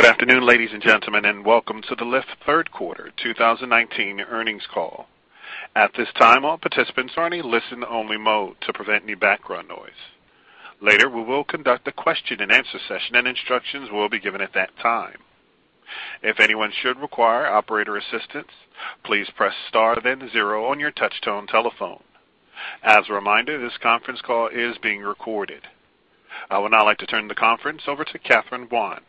Good afternoon, ladies and gentlemen, and welcome to the Lyft third quarter 2019 earnings call. At this time, all participants are in listen-only mode to prevent any background noise. Later, we will conduct a question and answer session, and instructions will be given at that time. If anyone should require operator assistance, please press star then zero on your touch-tone telephone. As a reminder, this conference call is being recorded. I would now like to turn the conference over to Catherine Bymun,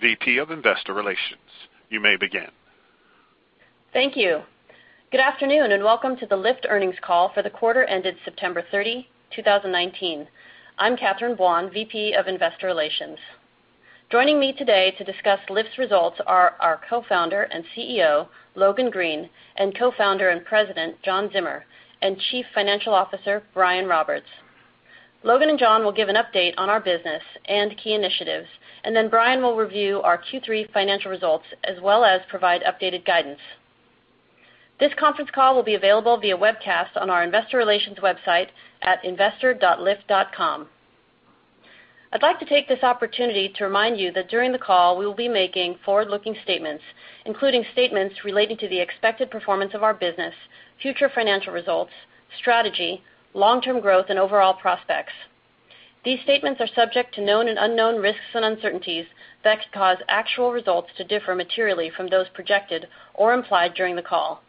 VP of Investor Relations. You may begin. Thank you. Good afternoon, and welcome to the Lyft earnings call for the quarter ended September 30, 2019. I'm Catherine Bymun, VP of Investor Relations. Joining me today to discuss Lyft's results are our co-founder and CEO, Logan Green, and co-founder and President, John Zimmer, and Chief Financial Officer, Brian Roberts. Logan and John will give an update on our business and key initiatives, and then Brian will review our Q3 financial results as well as provide updated guidance. This conference call will be available via webcast on our investor relations website at investor.lyft.com. I'd like to take this opportunity to remind you that during the call, we will be making forward-looking statements, including statements relating to the expected performance of our business, future financial results, strategy, long-term growth, and overall prospects. These statements are subject to known and unknown risks and uncertainties that could cause actual results to differ materially from those projected or implied during the call.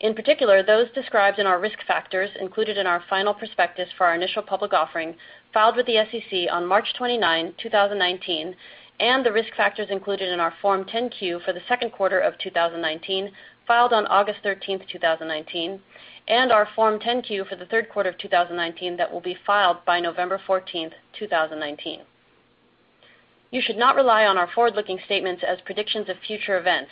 In particular, those described in our risk factors included in our final prospectus for our initial public offering filed with the SEC on March 29, 2019, and the risk factors included in our Form 10-Q for the second quarter of 2019, filed on August 13th, 2019, and our Form 10-Q for the third quarter of 2019 that will be filed by November 14th, 2019. You should not rely on our forward-looking statements as predictions of future events.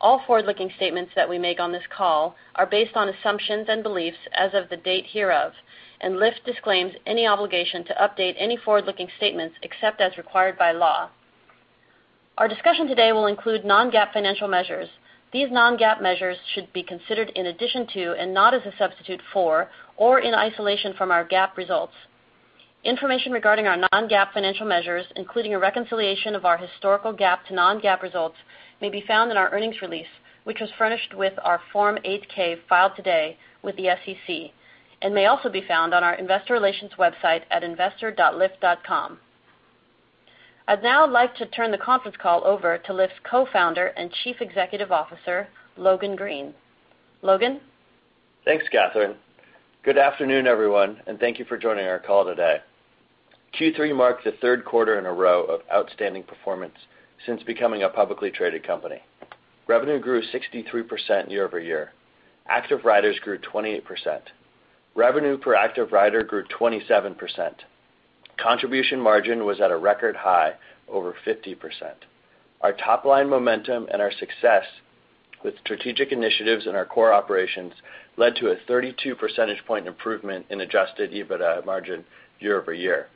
All forward-looking statements that we make on this call are based on assumptions and beliefs as of the date hereof, and Lyft disclaims any obligation to update any forward-looking statements except as required by law. Our discussion today will include non-GAAP financial measures. These non-GAAP measures should be considered in addition to and not as a substitute for or in isolation from our GAAP results. Information regarding our non-GAAP financial measures, including a reconciliation of our historical GAAP to non-GAAP results, may be found in our earnings release, which was furnished with our Form 8-K filed today with the SEC and may also be found on our investor relations website at investor.lyft.com. I'd now like to turn the conference call over to Lyft's co-founder and Chief Executive Officer, Logan Green. Logan? Thanks, Catherine. Good afternoon, everyone, and thank you for joining our call today. Q3 marks the third quarter in a row of outstanding performance since becoming a publicly traded company. Revenue grew 63% year-over-year. Active riders grew 28%. Revenue per active rider grew 27%. Contribution margin was at a record high over 50%. Our top-line momentum and our success with strategic initiatives in our core operations led to a 32 percentage point improvement in adjusted EBITDA margin year-over-year.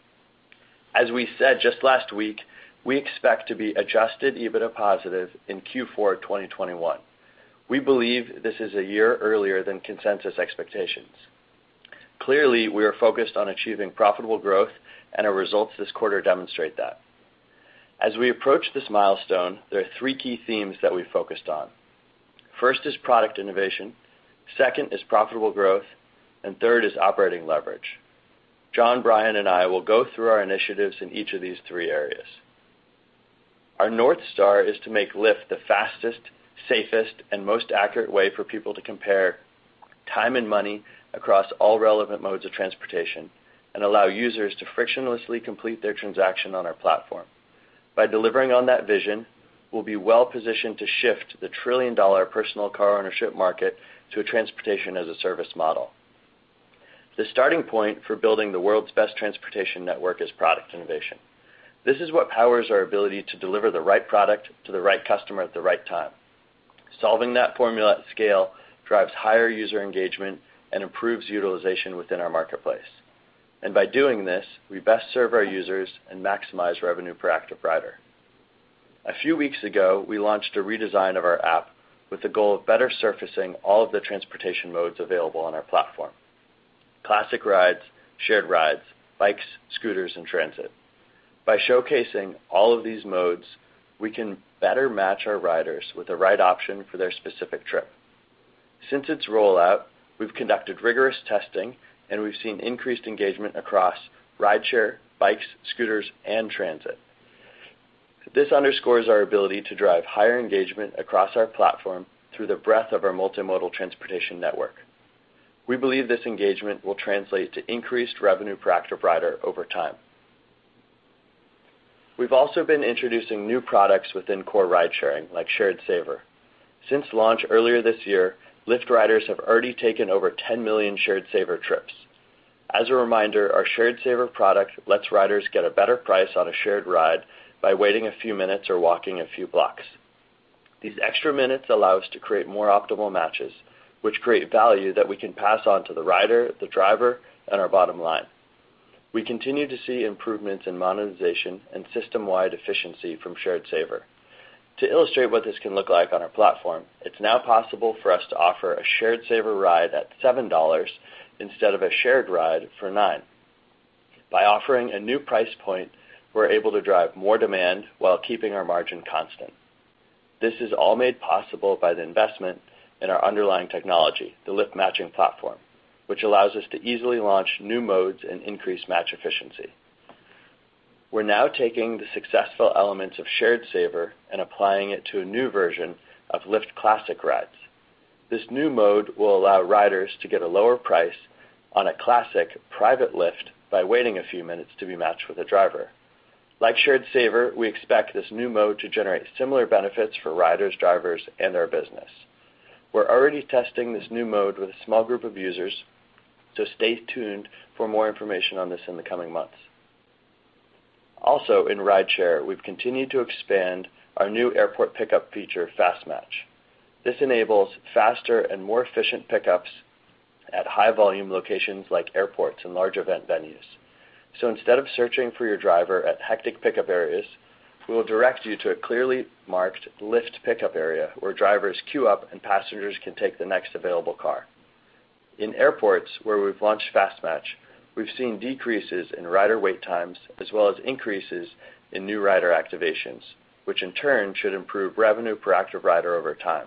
As we said just last week, we expect to be adjusted EBITDA positive in Q4 2021. We believe this is a year earlier than consensus expectations. Clearly, we are focused on achieving profitable growth, and our results this quarter demonstrate that. As we approach this milestone, there are three key themes that we focused on. First is product innovation, second is profitable growth, and third is operating leverage. John, Brian, and I will go through our initiatives in each of these three areas. Our North Star is to make Lyft the fastest, safest, and most accurate way for people to compare time and money across all relevant modes of transportation and allow users to frictionlessly complete their transaction on our platform. By delivering on that vision, we'll be well-positioned to shift the trillion-dollar personal car ownership market to a transportation-as-a-service model. The starting point for building the world's best transportation network is product innovation. This is what powers our ability to deliver the right product to the right customer at the right time. Solving that formula at scale drives higher user engagement and improves utilization within our marketplace. By doing this, we best serve our users and maximize revenue per active rider. A few weeks ago, we launched a redesign of our app with the goal of better surfacing all of the transportation modes available on our platform. Classic rides, shared rides, bikes, scooters, and transit. By showcasing all of these modes, we can better match our riders with the right option for their specific trip. Since its rollout, we've conducted rigorous testing, and we've seen increased engagement across rideshare, bikes, scooters, and transit. This underscores our ability to drive higher engagement across our platform through the breadth of our multimodal transportation network. We believe this engagement will translate to increased revenue per active rider over time. We've also been introducing new products within core ridesharing like Shared Saver. Since launch earlier this year, Lyft riders have already taken over 10 million Shared Saver trips. As a reminder, our Shared Saver product lets riders get a better price on a shared ride by waiting a few minutes or walking a few blocks. These extra minutes allow us to create more optimal matches, which create value that we can pass on to the rider, the driver, and our bottom line. We continue to see improvements in monetization and system-wide efficiency from Shared Saver. To illustrate what this can look like on our platform, it's now possible for us to offer a Shared Saver ride at $7 instead of a shared ride for $9. By offering a new price point, we're able to drive more demand while keeping our margin constant. This is all made possible by the investment in our underlying technology, the Lyft Matching Platform, which allows us to easily launch new modes and increase match efficiency. We're now taking the successful elements of Shared Saver and applying it to a new version of Lyft Classic rides. This new mode will allow riders to get a lower price on a classic private Lyft by waiting a few minutes to be matched with a driver. Like Shared Saver, we expect this new mode to generate similar benefits for riders, drivers, and our business. We're already testing this new mode with a small group of users, so stay tuned for more information on this in the coming months. Also, in Rideshare, we've continued to expand our new airport pickup feature, Fast Match. This enables faster and more efficient pickups at high-volume locations like airports and large event venues. instead of searching for your driver at hectic pickup areas, we will direct you to a clearly marked Lyft pickup area where drivers queue up and passengers can take the next available car. In airports where we've launched Fast Match, we've seen decreases in rider wait times, as well as increases in new rider activations, which in turn should improve revenue per active rider over time.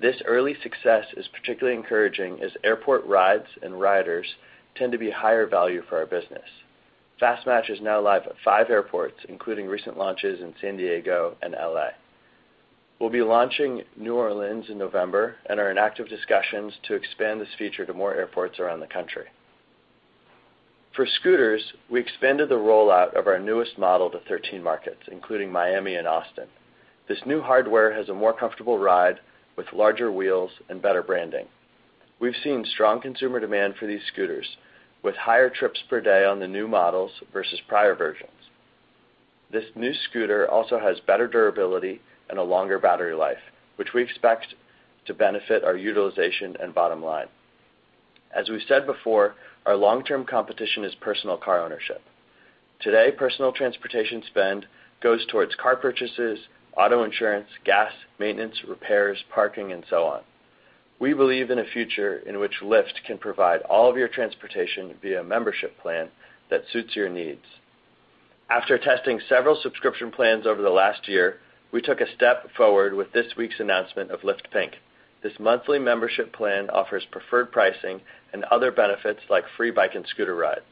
This early success is particularly encouraging as airport rides and riders tend to be higher value for our business. Fast Match is now live at five airports, including recent launches in San Diego and L.A. We'll be launching New Orleans in November and are in active discussions to expand this feature to more airports around the country. For scooters, we expanded the rollout of our newest model to 13 markets, including Miami and Austin. This new hardware has a more comfortable ride with larger wheels and better branding. We've seen strong consumer demand for these scooters, with higher trips per day on the new models versus prior versions. This new scooter also has better durability and a longer battery life, which we expect to benefit our utilization and bottom line. As we've said before, our long-term competition is personal car ownership. Today, personal transportation spend goes towards car purchases, auto insurance, gas, maintenance, repairs, parking, and so on. We believe in a future in which Lyft can provide all of your transportation via a membership plan that suits your needs. After testing several subscription plans over the last year, we took a step forward with this week's announcement of Lyft Pink. This monthly membership plan offers preferred pricing and other benefits like free bike and scooter rides.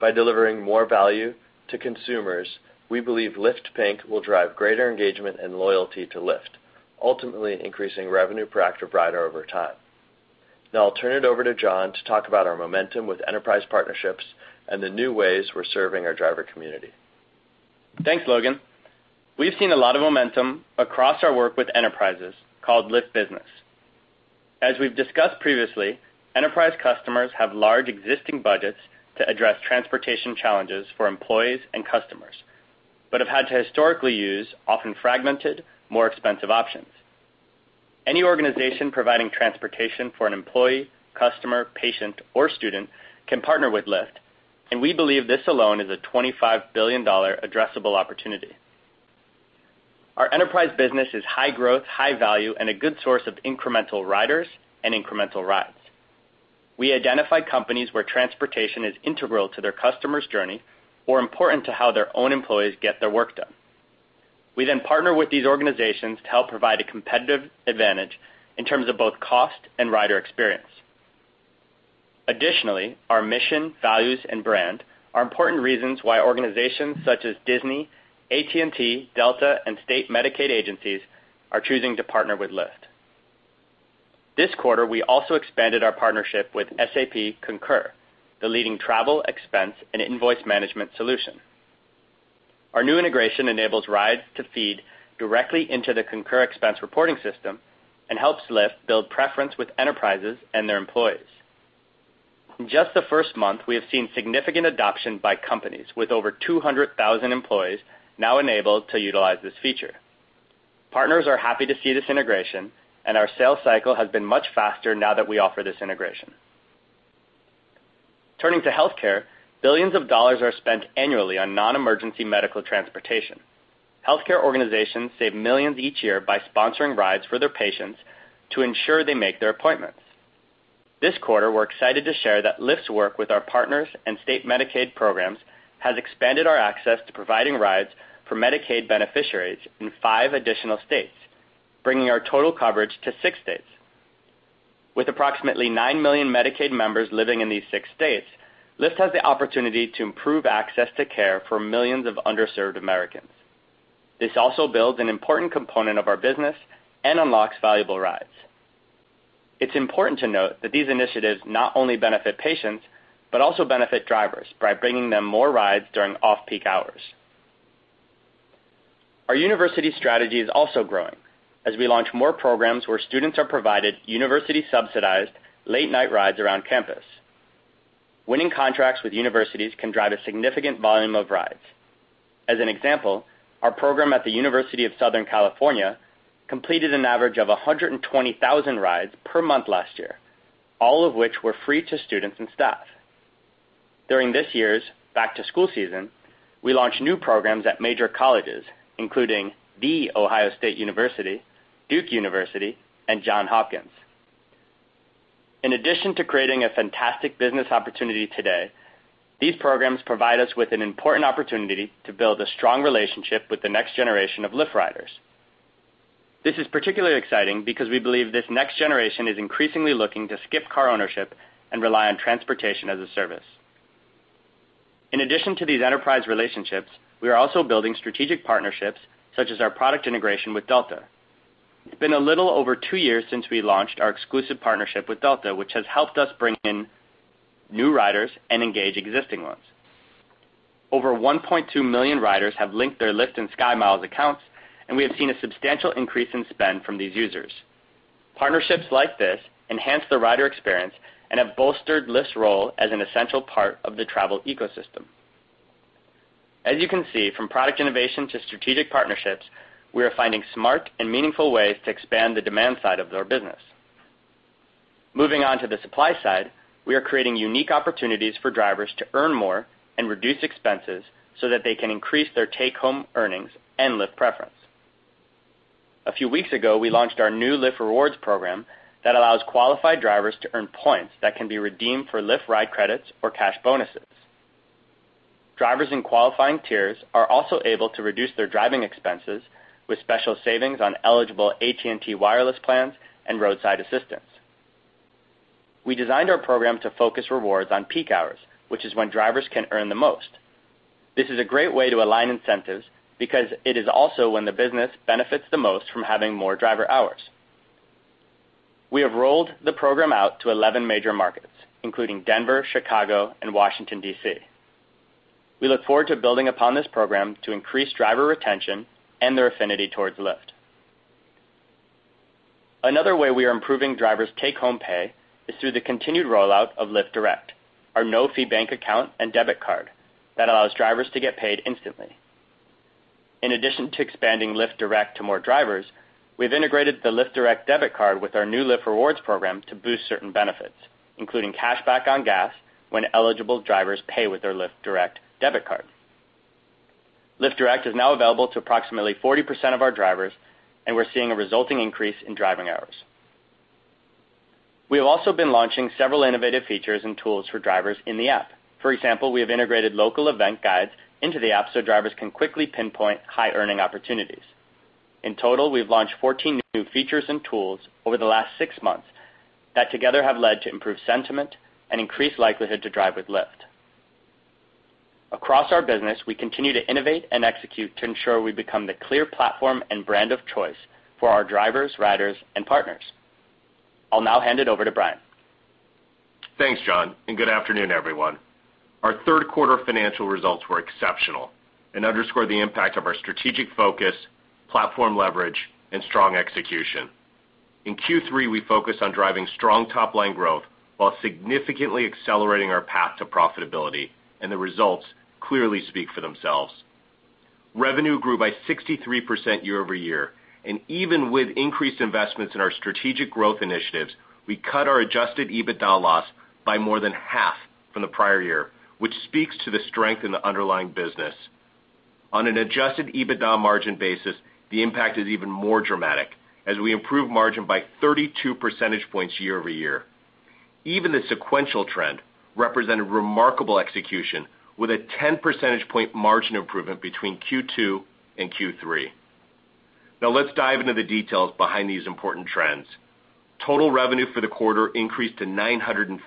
By delivering more value to consumers, we believe Lyft Pink will drive greater engagement and loyalty to Lyft, ultimately increasing revenue per active rider over time. Now I'll turn it over to John to talk about our momentum with enterprise partnerships and the new ways we're serving our driver community. Thanks, Logan. We've seen a lot of momentum across our work with enterprises, called Lyft Business. As we've discussed previously, enterprise customers have large existing budgets to address transportation challenges for employees and customers, but have had to historically use often fragmented, more expensive options. Any organization providing transportation for an employee, customer, patient, or student can partner with Lyft, and we believe this alone is a $25 billion addressable opportunity. Our enterprise business is high growth, high value, and a good source of incremental riders and incremental rides. We identify companies where transportation is integral to their customer's journey or important to how their own employees get their work done. We then partner with these organizations to help provide a competitive advantage in terms of both cost and rider experience. Additionally, our mission, values, and brand are important reasons why organizations such as Disney, AT&T, Delta, and State Medicaid agencies are choosing to partner with Lyft. This quarter, we also expanded our partnership with SAP Concur, the leading travel, expense, and invoice management solution. Our new integration enables rides to feed directly into the Concur expense reporting system and helps Lyft build preference with enterprises and their employees. In just the first month, we have seen significant adoption by companies, with over 200,000 employees now enabled to utilize this feature. Partners are happy to see this integration, and our sales cycle has been much faster now that we offer this integration. Turning to healthcare, billions of dollars are spent annually on non-emergency medical transportation. Healthcare organizations save millions each year by sponsoring rides for their patients to ensure they make their appointments. This quarter, we're excited to share that Lyft's work with our partners and state Medicaid programs has expanded our access to providing rides for Medicaid beneficiaries in five additional states, bringing our total coverage to six states. With approximately nine million Medicaid members living in these six states, Lyft has the opportunity to improve access to care for millions of underserved Americans. This also builds an important component of our business and unlocks valuable rides. It's important to note that these initiatives not only benefit patients, but also benefit drivers by bringing them more rides during off-peak hours. Our university strategy is also growing as we launch more programs where students are provided university-subsidized, late-night rides around campus. Winning contracts with universities can drive a significant volume of rides. As an example, our program at the University of Southern California completed an average of 120,000 rides per month last year, all of which were free to students and staff. During this year's back-to-school season, we launched new programs at major colleges, including The Ohio State University, Duke University, and Johns Hopkins. In addition to creating a fantastic business opportunity today, these programs provide us with an important opportunity to build a strong relationship with the next generation of Lyft riders. This is particularly exciting because we believe this next generation is increasingly looking to skip car ownership and rely on transportation as a service. In addition to these enterprise relationships, we are also building strategic partnerships, such as our product integration with Delta. It's been a little over two years since we launched our exclusive partnership with Delta, which has helped us bring in new riders and engage existing ones. Over 1.2 million riders have linked their Lyft and SkyMiles accounts, and we have seen a substantial increase in spend from these users. Partnerships like this enhance the rider experience and have bolstered Lyft's role as an essential part of the travel ecosystem. As you can see, from product innovation to strategic partnerships, we are finding smart and meaningful ways to expand the demand side of our business. Moving on to the supply side, we are creating unique opportunities for drivers to earn more and reduce expenses so that they can increase their take-home earnings and Lyft preference. A few weeks ago, we launched our new Lyft Rewards program that allows qualified drivers to earn points that can be redeemed for Lyft ride credits or cash bonuses. Drivers in qualifying tiers are also able to reduce their driving expenses with special savings on eligible AT&T wireless plans and roadside assistance. We designed our program to focus rewards on peak hours, which is when drivers can earn the most. This is a great way to align incentives because it is also when the business benefits the most from having more driver hours. We have rolled the program out to 11 major markets, including Denver, Chicago, and Washington, D.C. We look forward to building upon this program to increase driver retention and their affinity towards Lyft. Another way we are improving drivers' take-home pay is through the continued rollout of Lyft Direct, our no-fee bank account and debit card that allows drivers to get paid instantly. In addition to expanding Lyft Direct to more drivers, we've integrated the Lyft Direct debit card with our new Lyft Rewards program to boost certain benefits, including cashback on gas when eligible drivers pay with their Lyft Direct debit card. Lyft Direct is now available to approximately 40% of our drivers, and we're seeing a resulting increase in driving hours. We have also been launching several innovative features and tools for drivers in the app. For example, we have integrated local event guides into the app so drivers can quickly pinpoint high-earning opportunities. In total, we've launched 14 new features and tools over the last six months that together have led to improved sentiment and increased likelihood to drive with Lyft. Across our business, we continue to innovate and execute to ensure we become the clear platform and brand of choice for our drivers, riders, and partners. I'll now hand it over to Brian. Thanks, John, and good afternoon, everyone. Our third quarter financial results were exceptional and underscore the impact of our strategic focus, platform leverage, and strong execution. In Q3, we focused on driving strong top-line growth while significantly accelerating our path to profitability, and the results clearly speak for themselves. Revenue grew by 63% year-over-year, and even with increased investments in our strategic growth initiatives, we cut our adjusted EBITDA loss by more than half from the prior year, which speaks to the strength in the underlying business. On an adjusted EBITDA margin basis, the impact is even more dramatic as we improve margin by 32 percentage points year-over-year. Even the sequential trend represented remarkable execution with a 10 percentage point margin improvement between Q2 and Q3. Now, let's dive into the details behind these important trends. Total revenue for the quarter increased to $956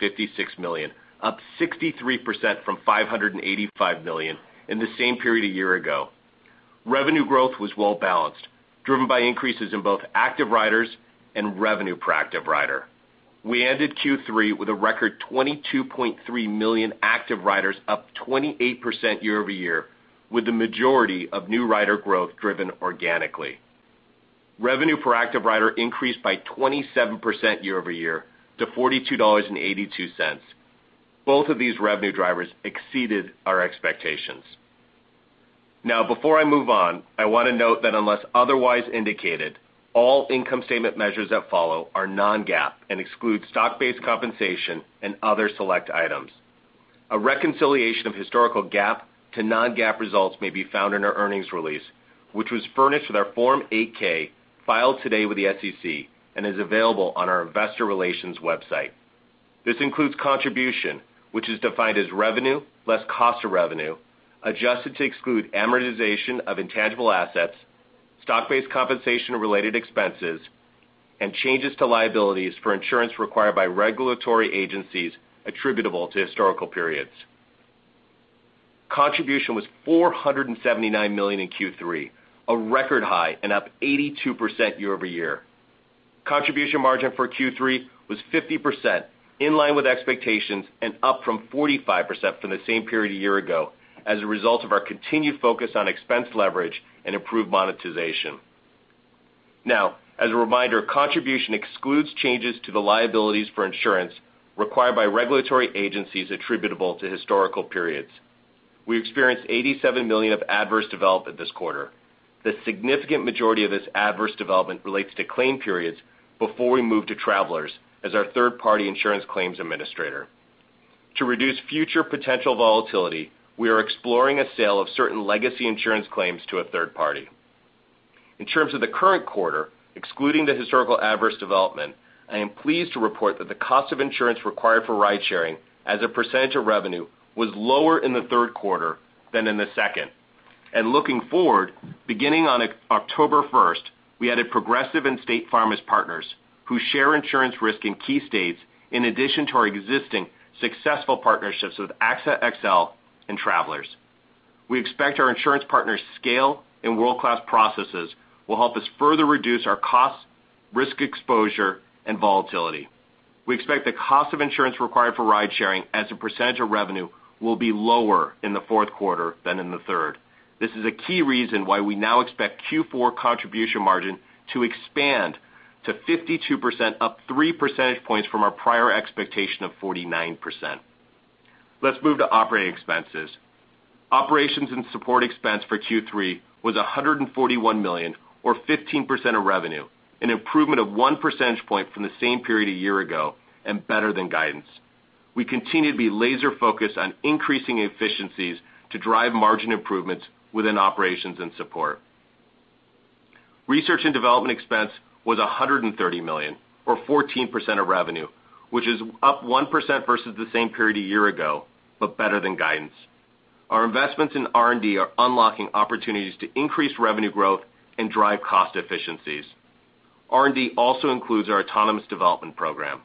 million, up 63% from $585 million in the same period a year ago. Revenue growth was well-balanced, driven by increases in both active riders and revenue per active rider. We ended Q3 with a record 22.3 million active riders, up 28% year-over-year, with the majority of new rider growth driven organically. Revenue per active rider increased by 27% year-over-year to $42.82. Both of these revenue drivers exceeded our expectations. Now, before I move on, I want to note that unless otherwise indicated, all income statement measures that follow are non-GAAP and exclude stock-based compensation and other select items. A reconciliation of historical GAAP to non-GAAP results may be found in our earnings release, which was furnished with our Form 8-K filed today with the SEC and is available on our investor relations website. This includes contribution, which is defined as revenue less cost of revenue, adjusted to exclude amortization of intangible assets, stock-based compensation related expenses, and changes to liabilities for insurance required by regulatory agencies attributable to historical periods. Contribution was $479 million in Q3, a record high and up 82% year-over-year. Contribution margin for Q3 was 50%, in line with expectations and up from 45% from the same period a year ago as a result of our continued focus on expense leverage and improved monetization. Now, as a reminder, contribution excludes changes to the liabilities for insurance required by regulatory agencies attributable to historical periods. We experienced $87 million of adverse development this quarter. The significant majority of this adverse development relates to claim periods before we moved to Travelers as our third-party insurance claims administrator. To reduce future potential volatility, we are exploring a sale of certain legacy insurance claims to a third party. In terms of the current quarter, excluding the historical adverse development, I am pleased to report that the cost of insurance required for ride-sharing as a percentage of revenue was lower in the third quarter than in the second. Looking forward, beginning on October 1st, we added Progressive and State Farm as partners who share insurance risk in key states, in addition to our existing successful partnerships with AXA XL and Travelers. We expect our insurance partners' scale and world-class processes will help us further reduce our cost, risk exposure, and volatility. We expect the cost of insurance required for ride-sharing as a percentage of revenue will be lower in the fourth quarter than in the third. This is a key reason why we now expect Q4 contribution margin to expand to 52%, up three percentage points from our prior expectation of 49%. Let's move to operating expenses. Operations and support expense for Q3 was $141 million, or 15% of revenue, an improvement of one percentage point from the same period a year ago, and better than guidance. We continue to be laser-focused on increasing efficiencies to drive margin improvements within operations and support. Research and development expense was $130 million, or 14% of revenue, which is up 1% versus the same period a year ago, but better than guidance. Our investments in R&D are unlocking opportunities to increase revenue growth and drive cost efficiencies. R&D also includes our autonomous development program.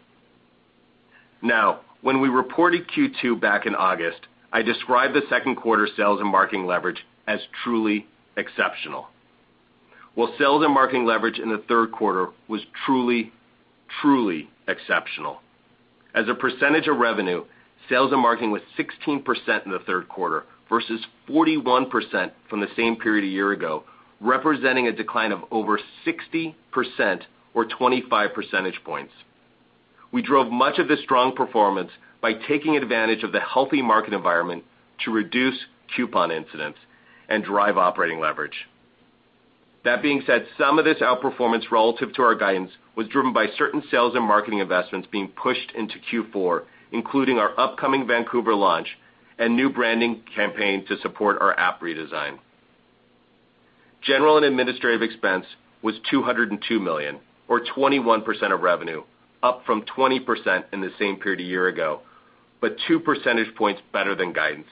When we reported Q2 back in August, I described the second quarter sales and marketing leverage as truly exceptional. Well, sales and marketing leverage in the third quarter was truly exceptional. As a percentage of revenue, sales and marketing was 16% in the third quarter versus 41% from the same period a year ago, representing a decline of over 60%, or 25 percentage points. We drove much of this strong performance by taking advantage of the healthy market environment to reduce coupon incidents and drive operating leverage. That being said, some of this outperformance relative to our guidance was driven by certain sales and marketing investments being pushed into Q4, including our upcoming Vancouver launch and new branding campaign to support our app redesign. General and administrative expense was $202 million, or 21% of revenue, up from 20% in the same period a year ago, but two percentage points better than guidance.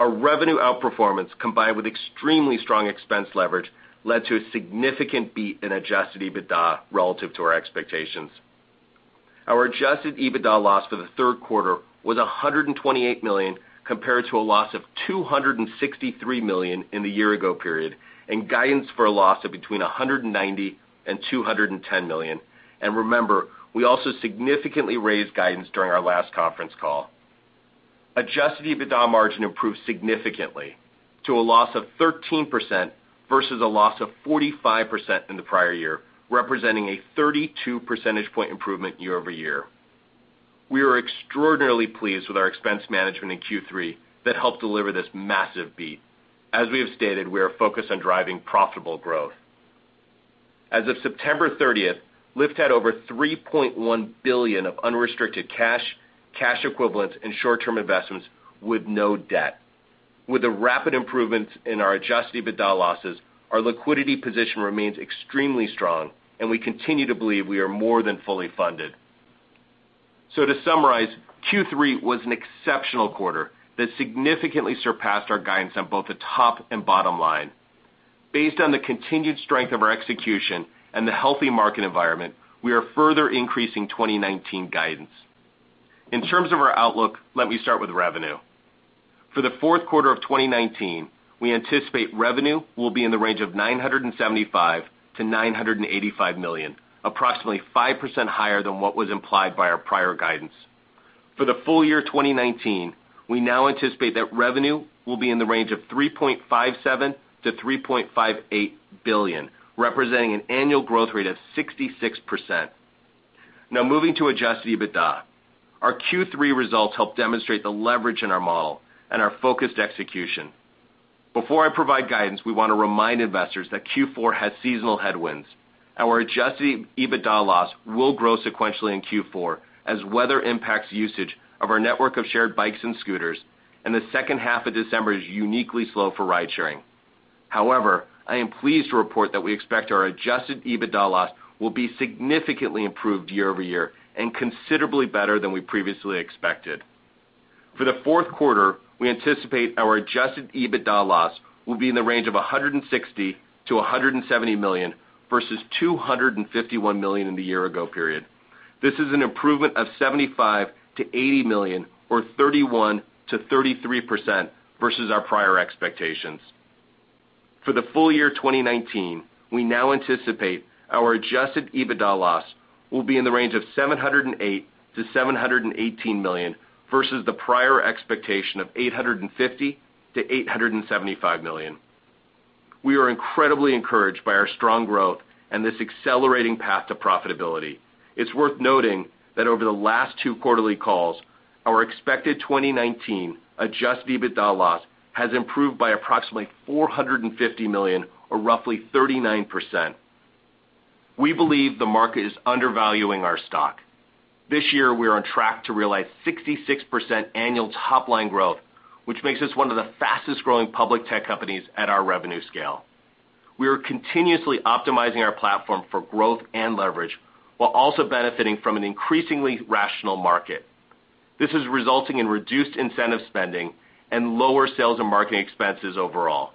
Our revenue outperformance, combined with extremely strong expense leverage, led to a significant beat in adjusted EBITDA relative to our expectations. Our adjusted EBITDA loss for the third quarter was $128 million, compared to a loss of $263 million in the year-ago period, and guidance for a loss of between $190 million and $210 million. Remember, we also significantly raised guidance during our last conference call. Adjusted EBITDA margin improved significantly to a loss of 13%, versus a loss of 45% in the prior year, representing a 32 percentage point improvement year-over-year. We are extraordinarily pleased with our expense management in Q3 that helped deliver this massive beat. As we have stated, we are focused on driving profitable growth. As of September 30th, Lyft had over $3.1 billion of unrestricted cash equivalents, and short-term investments with no debt. With the rapid improvements in our adjusted EBITDA losses, our liquidity position remains extremely strong, and we continue to believe we are more than fully funded. To summarize, Q3 was an exceptional quarter that significantly surpassed our guidance on both the top and bottom line. Based on the continued strength of our execution and the healthy market environment, we are further increasing 2019 guidance. In terms of our outlook, let me start with revenue. For the fourth quarter of 2019, we anticipate revenue will be in the range of $975 million-$985 million, approximately 5% higher than what was implied by our prior guidance. For the full year 2019, we now anticipate that revenue will be in the range of $3.57 billion-$3.58 billion, representing an annual growth rate of 66%. Now moving to adjusted EBITDA. Our Q3 results help demonstrate the leverage in our model and our focused execution. Before I provide guidance, we want to remind investors that Q4 has seasonal headwinds. Our adjusted EBITDA loss will grow sequentially in Q4 as weather impacts usage of our network of shared bikes and scooters, and the second half of December is uniquely slow for ride sharing. However, I am pleased to report that we expect our adjusted EBITDA loss will be significantly improved year-over-year and considerably better than we previously expected. For the fourth quarter, we anticipate our adjusted EBITDA loss will be in the range of $160 million-$170 million versus $251 million in the year-ago period. This is an improvement of $75 million-$80 million or 31%-33% versus our prior expectations. For the full year 2019, we now anticipate our adjusted EBITDA loss will be in the range of $708 million-$718 million versus the prior expectation of $850 million-$875 million. We are incredibly encouraged by our strong growth and this accelerating path to profitability. It's worth noting that over the last two quarterly calls, our expected 2019 adjusted EBITDA loss has improved by approximately $450 million or roughly 39%. We believe the market is undervaluing our stock. This year, we are on track to realize 66% annual top-line growth, which makes us one of the fastest-growing public tech companies at our revenue scale. We are continuously optimizing our platform for growth and leverage, while also benefiting from an increasingly rational market. This is resulting in reduced incentive spending and lower sales and marketing expenses overall.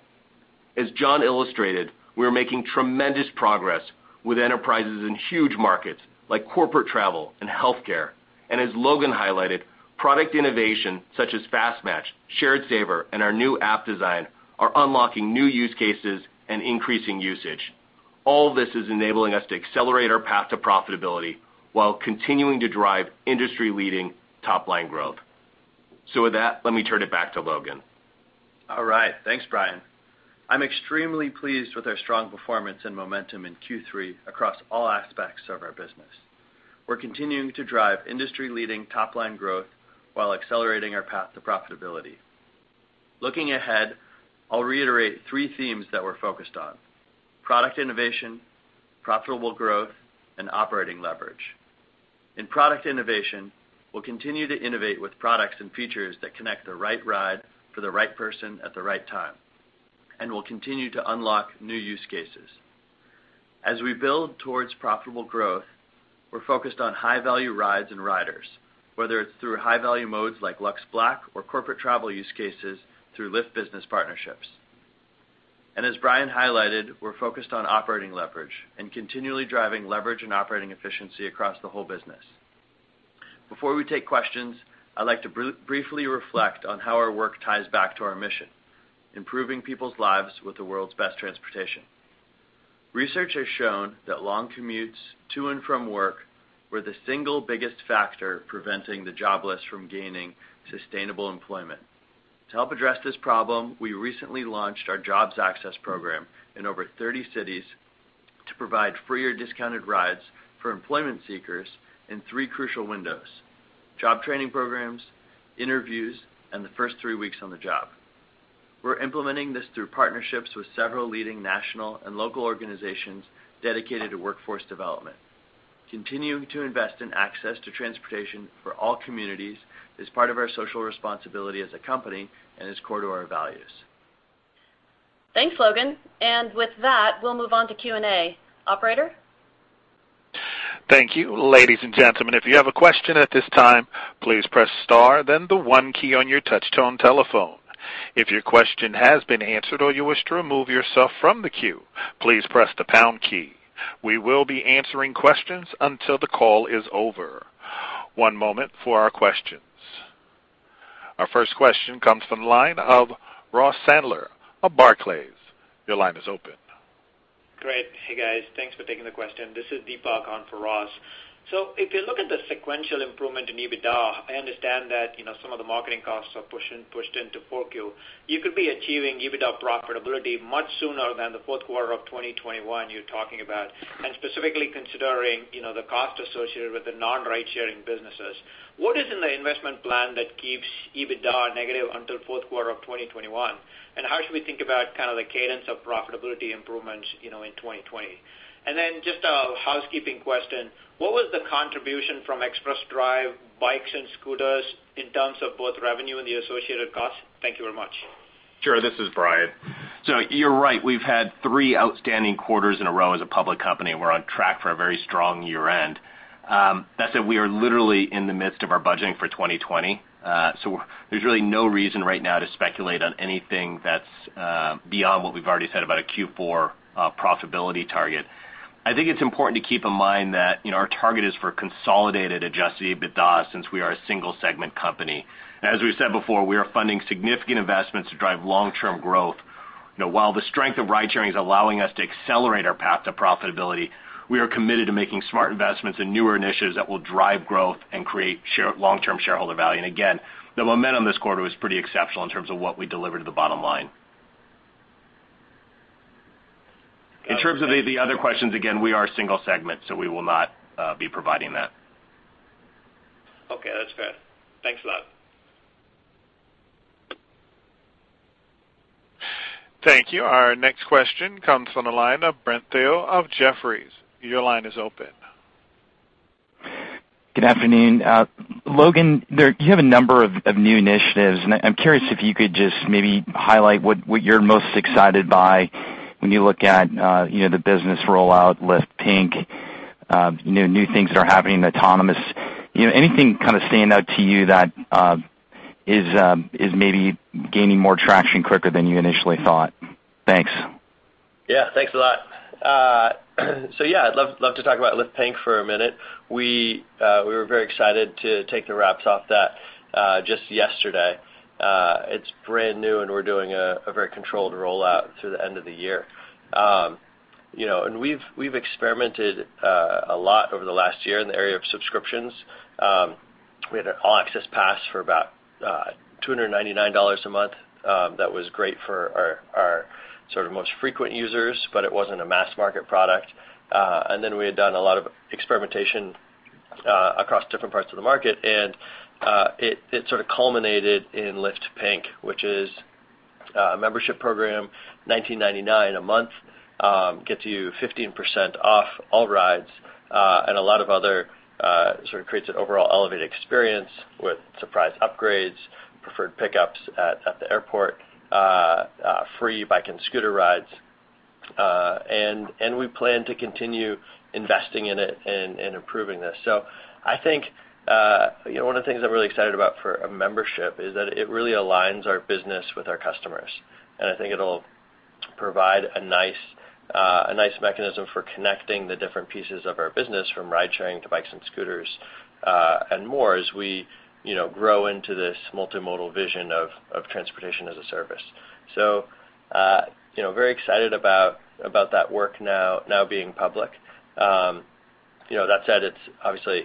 As John illustrated, we are making tremendous progress with enterprises in huge markets like corporate travel and healthcare. As Logan highlighted, product innovation such as Fast Match, Shared Saver, and our new app design are unlocking new use cases and increasing usage. All this is enabling us to accelerate our path to profitability while continuing to drive industry-leading top-line growth. With that, let me turn it back to Logan. All right. Thanks, Brian. I'm extremely pleased with our strong performance and momentum in Q3 across all aspects of our business. We're continuing to drive industry-leading top-line growth while accelerating our path to profitability. Looking ahead, I'll reiterate three themes that we're focused on, product innovation, profitable growth, and operating leverage. In product innovation, we'll continue to innovate with products and features that connect the right ride for the right person at the right time, and we'll continue to unlock new use cases. As we build towards profitable growth, we're focused on high-value rides and riders, whether it's through high-value modes like Lux Black or corporate travel use cases through Lyft business partnerships. as Brian highlighted, we're focused on operating leverage and continually driving leverage and operating efficiency across the whole business. Before we take questions, I'd like to briefly reflect on how our work ties back to our mission, improving people's lives with the world's best transportation. Research has shown that long commutes to and from work were the single biggest factor preventing the jobless from gaining sustainable employment. To help address this problem, we recently launched our Jobs Access Program in over 30 cities to provide free or discounted rides for employment seekers in three crucial windows, job training programs, interviews, and the first three weeks on-the-job. We're implementing this through partnerships with several leading national and local organizations dedicated to workforce development. Continuing to invest in access to transportation for all communities is part of our social responsibility as a company and is core to our values. Thanks, Logan. with that, we'll move on to Q&A. Operator? Thank you. Ladies and gentlemen, if you have a question at this time, please press star then the one key on your touch-tone telephone. If your question has been answered or you wish to remove yourself from the queue, please press the pound key. We will be answering questions until the call is over. One moment for our questions. Our first question comes from the line of Ross Sandler of Barclays. Your line is open. Great. Hey, guys. Thanks for taking the question. This is Deepak on for Ross. If you look at the sequential improvement in EBITDA, I understand that some of the marketing costs are pushed into 4Q. You could be achieving EBITDA profitability much sooner than the fourth quarter of 2021 you're talking about. Specifically considering the cost associated with the non-ridesharing businesses. What is in the investment plan that keeps EBITDA negative until fourth quarter of 2021? How should we think about kind of the cadence of profitability improvements in 2020? Just a housekeeping question, what was the contribution from Express Drive, bikes, and scooters in terms of both revenue and the associated cost? Thank you very much. Sure. This is Brian. You're right, we've had three outstanding quarters in a row as a public company. We're on track for a very strong year-end. That said, we are literally in the midst of our budgeting for 2020. There's really no reason right now to speculate on anything that's beyond what we've already said about a Q4 profitability target. I think it's important to keep in mind that our target is for consolidated adjusted EBITDA since we are a single-segment company. As we've said before, we are funding significant investments to drive long-term growth. While the strength of ridesharing is allowing us to accelerate our path to profitability, we are committed to making smart investments in newer initiatives that will drive growth and create long-term shareholder value. Again, the momentum this quarter was pretty exceptional in terms of what we delivered to the bottom line. In terms of the other questions, again, we are a single segment, so we will not be providing that. Okay, that's fair. Thanks a lot. Thank you. Our next question comes from the line of Brent Thill of Jefferies. Your line is open. Good afternoon. Logan, you have a number of new initiatives, and I'm curious if you could just maybe highlight what you're most excited by when you look at the business rollout, Lyft Pink, new things that are happening, autonomous. Anything kind of stand out to you that is maybe gaining more traction quicker than you initially thought? Thanks. Yeah. Thanks a lot. yeah, I'd love to talk about Lyft Pink for a minute. We were very excited to take the wraps off that just yesterday. It's brand new, and we're doing a very controlled rollout through the end of the year. We've experimented a lot over the last year in the area of subscriptions. We had an All-Access Plan for about $299 a month that was great for our sort of most frequent users, but it wasn't a mass market product. We had done a lot of experimentation across different parts of the market, and it sort of culminated in Lyft Pink, which is a membership program, $19.99 a month gets you 15% off all rides and sort of creates an overall elevated experience with surprise upgrades, preferred pickups at the airport, free bike and scooter rides. We plan to continue investing in it and improving this. I think one of the things I'm really excited about for a membership is that it really aligns our business with our customers, and I think it'll provide a nice mechanism for connecting the different pieces of our business, from ride-sharing to bikes and scooters, and more as we grow into this multimodal vision of transportation as a service. Very excited about that work now being public. That said, it's obviously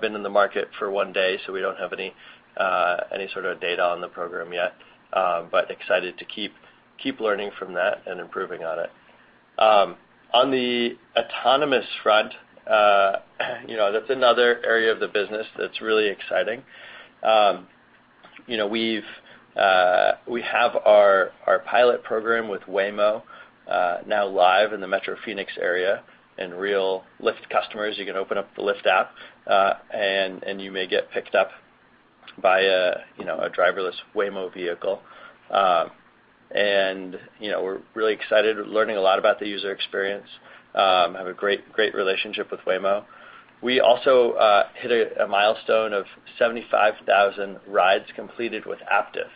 been in the market for one day, so we don't have any sort of data on the program yet. Excited to keep learning from that and improving on it. On the autonomous front, that's another area of the business that's really exciting. We have our pilot program with Waymo now live in the metro Phoenix area. Real Lyft customers, you can open up the Lyft app, and you may get picked up by a driverless Waymo vehicle. We're really excited. We're learning a lot about the user experience, have a great relationship with Waymo. We also hit a milestone of 75,000 rides completed with Aptiv,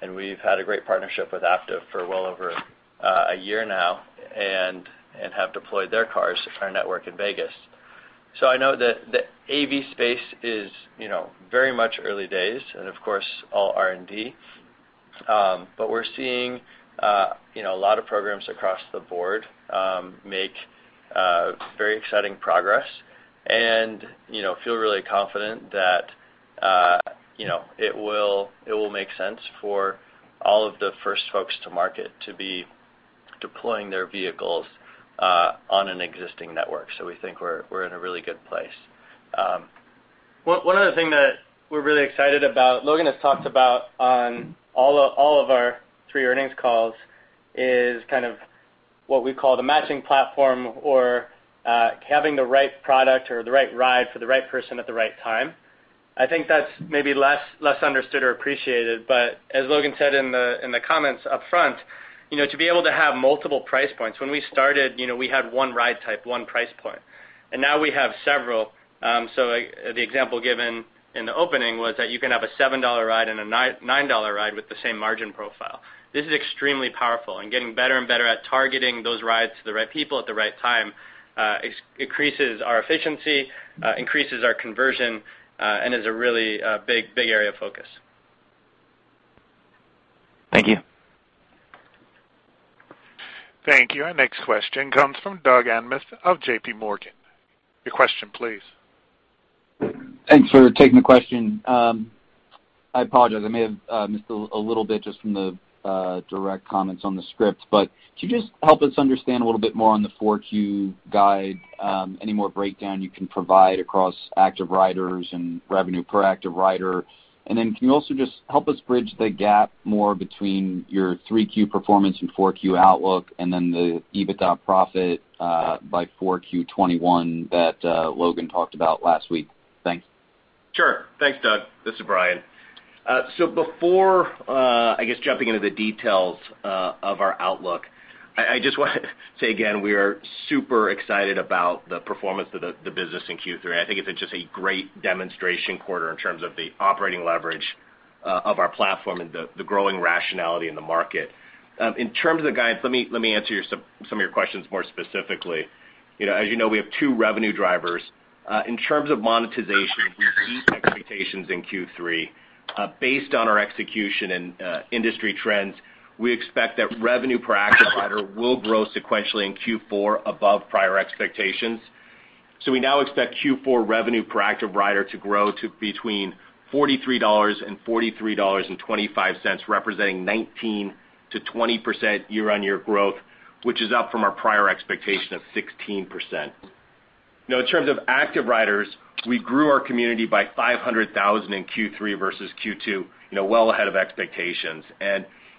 and we've had a great partnership with Aptiv for well over a year now and have deployed their cars to our network in Vegas. I know the AV space is very much early days and of course, all R&D. We're seeing a lot of programs across the board make very exciting progress and feel really confident that it will make sense for all of the first folks to market to be deploying their vehicles on an existing network. We think we're in a really good place. One other thing that we're really excited about, Logan has talked about on all of our three earnings calls, is kind of what we call the matching platform or having the right product or the right ride for the right person at the right time. I think that's maybe less understood or appreciated, but as Logan said in the comments up front, to be able to have multiple price points. When we started, we had one ride type, one price point, and now we have several. The example given in the opening was that you can have a $7 ride and a $9 ride with the same margin profile. This is extremely powerful, and getting better and better at targeting those rides to the right people at the right time increases our efficiency, increases our conversion, and is a really big area of focus. Thank you. Thank you. Our next question comes from Doug Anmuth of JPMorgan. Your question, please. Thanks for taking the question. I apologize, I may have missed a little bit just from the direct comments on the script. Could you just help us understand a little bit more on the 4Q guide, any more breakdown you can provide across active riders and revenue per active rider? Can you also just help us bridge the gap more between your 3Q performance and 4Q outlook, and then the EBITDA profit by 4Q 2021 that Logan talked about last week? Thanks. Sure. Thanks, Doug. This is Brian. Before, I guess, jumping into the details of our outlook, I just want to say again, we are super excited about the performance of the business in Q3. I think it's been just a great demonstration quarter in terms of the operating leverage of our platform and the growing rationality in the market. In terms of the guidance, let me answer some of your questions more specifically. As you know, we have two revenue drivers. In terms of monetization, we beat expectations in Q3. Based on our execution and industry trends, we expect that revenue per active rider will grow sequentially in Q4 above prior expectations. We now expect Q4 revenue per active rider to grow to between $43 and $43.25, representing 19%-20% year-on-year growth, which is up from our prior expectation of 16%. Now, in terms of active riders, we grew our community by 500,000 in Q3 versus Q2, well ahead of expectations.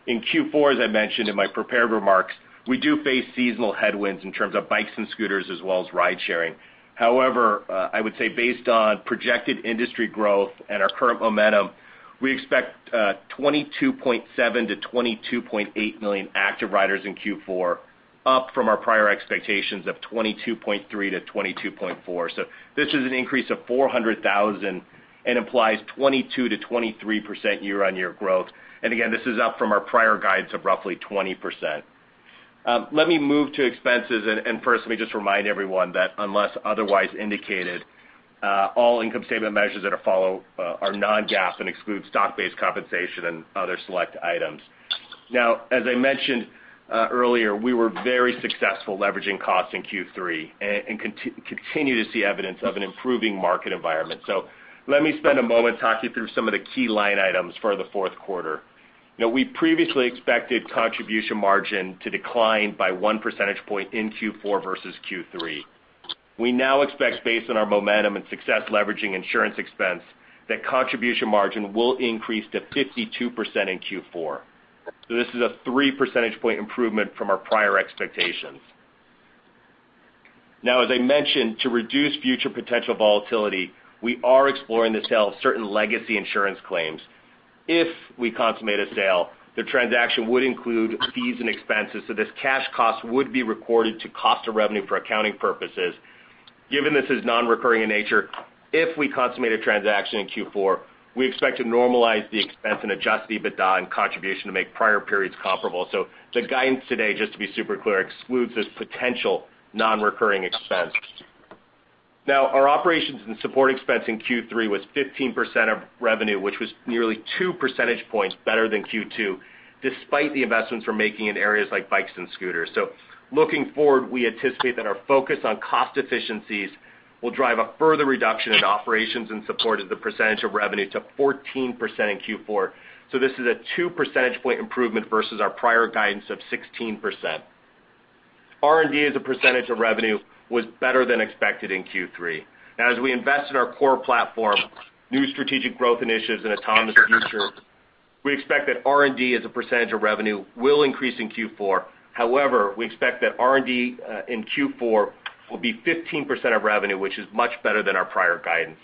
In Q4, as I mentioned in my prepared remarks, we do face seasonal headwinds in terms of bikes and scooters as well as ride-sharing. However, I would say based on projected industry growth and our current momentum, we expect 22.7 to 22.8 million active riders in Q4, up from our prior expectations of 22.3 to 22.4. This is an increase of 400,000 and implies 22% to 23% year-on-year growth. Again, this is up from our prior guide to roughly 20%. Let me move to expenses. First, let me just remind everyone that unless otherwise indicated, all income statement measures that follow are non-GAAP and exclude stock-based compensation and other select items. Now, as I mentioned earlier, we were very successful leveraging costs in Q3 and continue to see evidence of an improving market environment. Let me spend a moment to talk you through some of the key line items for the fourth quarter. We previously expected contribution margin to decline by one percentage point in Q4 versus Q3. We now expect, based on our momentum and success leveraging insurance expense, that contribution margin will increase to 52% in Q4. This is a three percentage point improvement from our prior expectations. Now, as I mentioned, to reduce future potential volatility, we are exploring the sale of certain legacy insurance claims. If we consummate a sale, the transaction would include fees and expenses, so this cash cost would be recorded to cost of revenue for accounting purposes. Given this is non-recurring in nature, if we consummate a transaction in Q4, we expect to normalize the expense and adjust the EBITDA and contribution to make prior periods comparable. The guidance today, just to be super clear, excludes this potential non-recurring expense. Our operations and support expense in Q3 was 15% of revenue, which was nearly two percentage points better than Q2, despite the investments we're making in areas like bikes and scooters. Looking forward, we anticipate that our focus on cost efficiencies will drive a further reduction in operations and support as a percentage of revenue to 14% in Q4. This is a two percentage point improvement versus our prior guidance of 16%. R&D as a percentage of revenue was better than expected in Q3. As we invest in our core platform, new strategic growth initiatives, and autonomous future, we expect that R&D as a percentage of revenue will increase in Q4. However, we expect that R&D in Q4 will be 15% of revenue, which is much better than our prior guidance.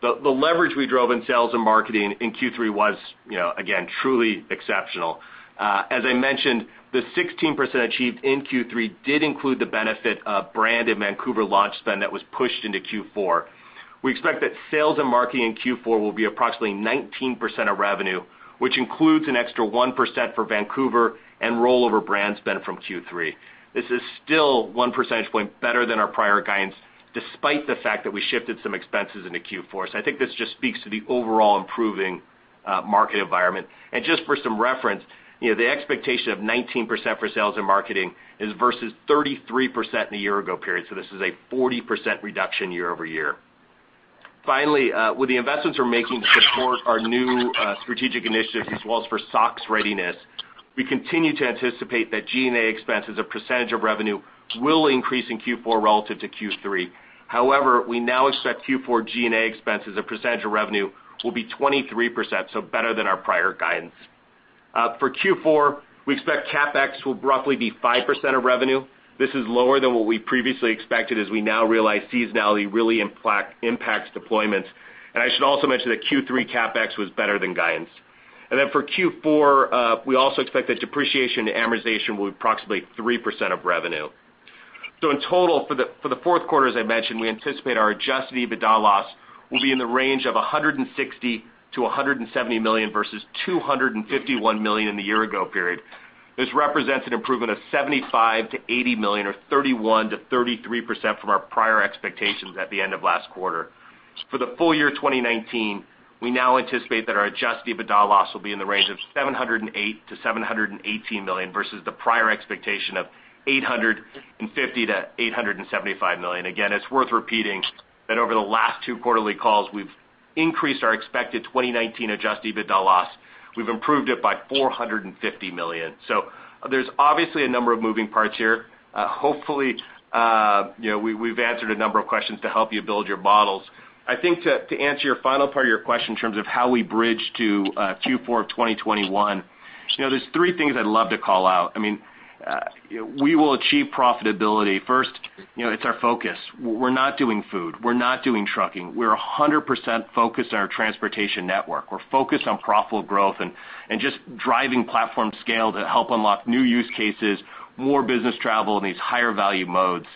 The leverage we drove in sales and marketing in Q3 was, again, truly exceptional. As I mentioned, the 16% achieved in Q3 did include the benefit of brand and Vancouver launch spend that was pushed into Q4. We expect that sales and marketing in Q4 will be approximately 19% of revenue, which includes an extra 1% for Vancouver and rollover brand spend from Q3. This is still one percentage point better than our prior guidance, despite the fact that we shifted some expenses into Q4. I think this just speaks to the overall improving market environment. Just for some reference, the expectation of 19% for sales and marketing is versus 33% in the year ago period. This is a 40% reduction year-over-year. Finally, with the investments we're making to support our new strategic initiatives as well as for SOX readiness, we continue to anticipate that G&A expense as a percentage of revenue will increase in Q4 relative to Q3. However, we now expect Q4 G&A expense as a percentage of revenue will be 23%, so better than our prior guidance. For Q4, we expect CapEx will roughly be 5% of revenue. This is lower than what we previously expected, as we now realize seasonality really impacts deployments. I should also mention that Q3 CapEx was better than guidance. For Q4, we also expect that depreciation to amortization will be approximately 3% of revenue. In total, for the fourth quarter, as I mentioned, we anticipate our adjusted EBITDA loss will be in the range of $160 million-$170 million versus $251 million in the year ago period. This represents an improvement of $75 million-$80 million or 31%-33% from our prior expectations at the end of last quarter. For the full year 2019, we now anticipate that our adjusted EBITDA loss will be in the range of $708 million-$718 million versus the prior expectation of $850 million-$875 million. Again, it's worth repeating that over the last two quarterly calls, we've increased our expected 2019 adjusted EBITDA loss. We've improved it by $450 million. there's obviously a number of moving parts here. Hopefully, we've answered a number of questions to help you build your models. I think to answer your final part of your question in terms of how we bridge to Q4 of 2021, there's three things I'd love to call out. We will achieve profitability. First, it's our focus. We're not doing food. We're not doing trucking. We're 100% focused on our transportation network. We're focused on profitable growth and just driving platform scale to help unlock new use cases, more business travel in these higher value modes.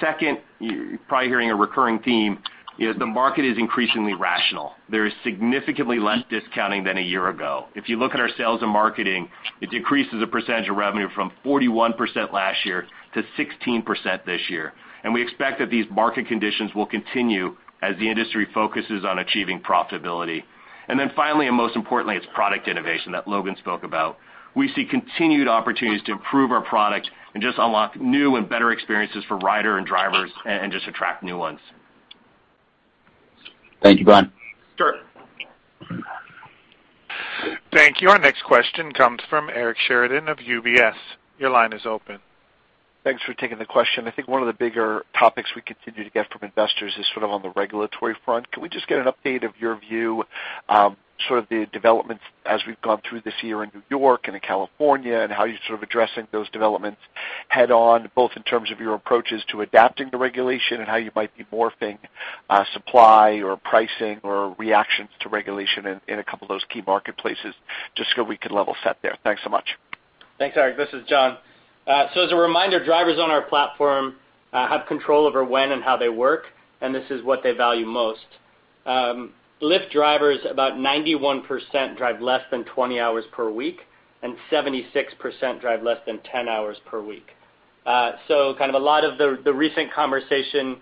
Second, you're probably hearing a recurring theme, the market is increasingly rational. There is significantly less discounting than a year ago. If you look at our sales and marketing, it decreases a percentage of revenue from 41% last year to 16% this year. We expect that these market conditions will continue as the industry focuses on achieving profitability. Most importantly, it's product innovation that Logan spoke about. We see continued opportunities to improve our product and just unlock new and better experiences for rider and drivers, and just attract new ones. Thank you, Brian. Sure. Thank you. Our next question comes from Eric Sheridan of UBS. Your line is open. Thanks for taking the question. I think one of the bigger topics we continue to get from investors is sort of on the regulatory front. Can we just get an update of your view, sort of the developments as we've gone through this year in New York and in California, and how you're sort of addressing those developments head on, both in terms of your approaches to adapting to regulation and how you might be morphing supply or pricing or reactions to regulation in a couple of those key marketplaces, just so we can level set there. Thanks so much. Thanks, Eric. This is John. As a reminder, drivers on our platform have control over when and how they work, and this is what they value most. Lyft drivers, about 91% drive less than 20 hours per week, and 76% drive less than 10 hours per week. Kind of a lot of the recent conversation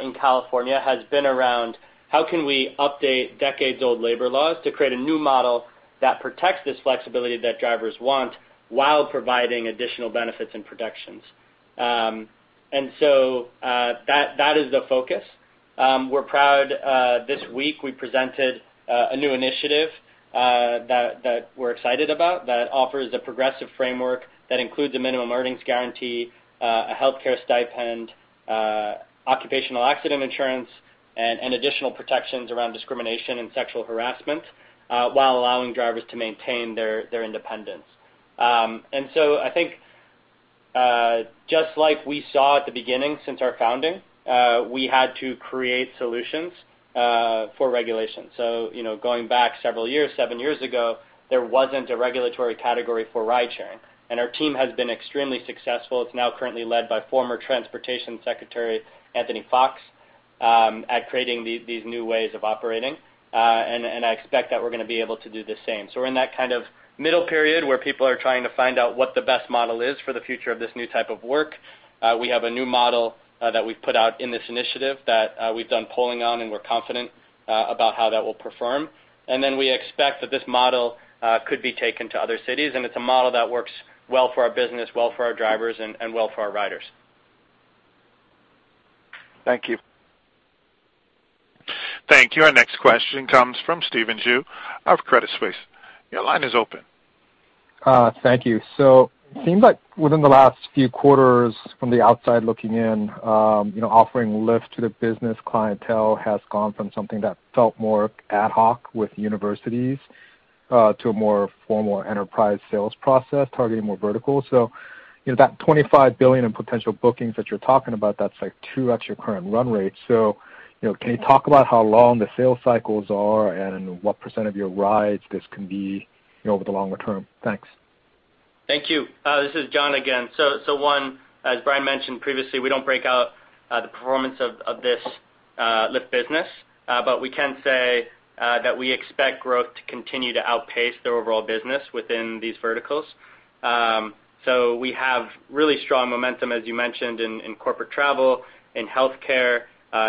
in California has been around how can we update decades-old labor laws to create a new model that protects this flexibility that drivers want while providing additional benefits and protections. That is the focus. We're proud, this week we presented a new initiative that we're excited about, that offers a progressive framework that includes a minimum earnings guarantee, a healthcare stipend, occupational accident insurance, and additional protections around discrimination and sexual harassment, while allowing drivers to maintain their independence. I think, just like we saw at the beginning, since our founding, we had to create solutions for regulation. Going back several years, seven years ago, there wasn't a regulatory category for ride-sharing, and our team has been extremely successful. It's now currently led by former Transportation Secretary Anthony Foxx, at creating these new ways of operating, and I expect that we're going to be able to do the same. We're in that kind of middle period where people are trying to find out what the best model is for the future of this new type of work. We have a new model that we've put out in this initiative that we've done polling on, and we're confident about how that will perform. we expect that this model could be taken to other cities, and it's a model that works well for our business, well for our drivers, and well for our riders. Thank you. Thank you. Our next question comes from Steven Zhu of Credit Suisse. Your line is open. Thank you. Seems like within the last few quarters, from the outside looking in, offering Lyft to the business clientele has gone from something that felt more ad hoc with universities, to a more formal enterprise sales process targeting more verticals. That 25 billion in potential bookings that you're talking about, that's like 2x your current run rate. Can you talk about how long the sales cycles are and what % of your rides this can be over the longer term? Thanks. Thank you. This is John again. one, as Brian mentioned previously, we don't break out the performance of this Lyft Business. we can say that we expect growth to continue to outpace the overall business within these verticals. we have really strong momentum, as you mentioned, in corporate travel, in healthcare,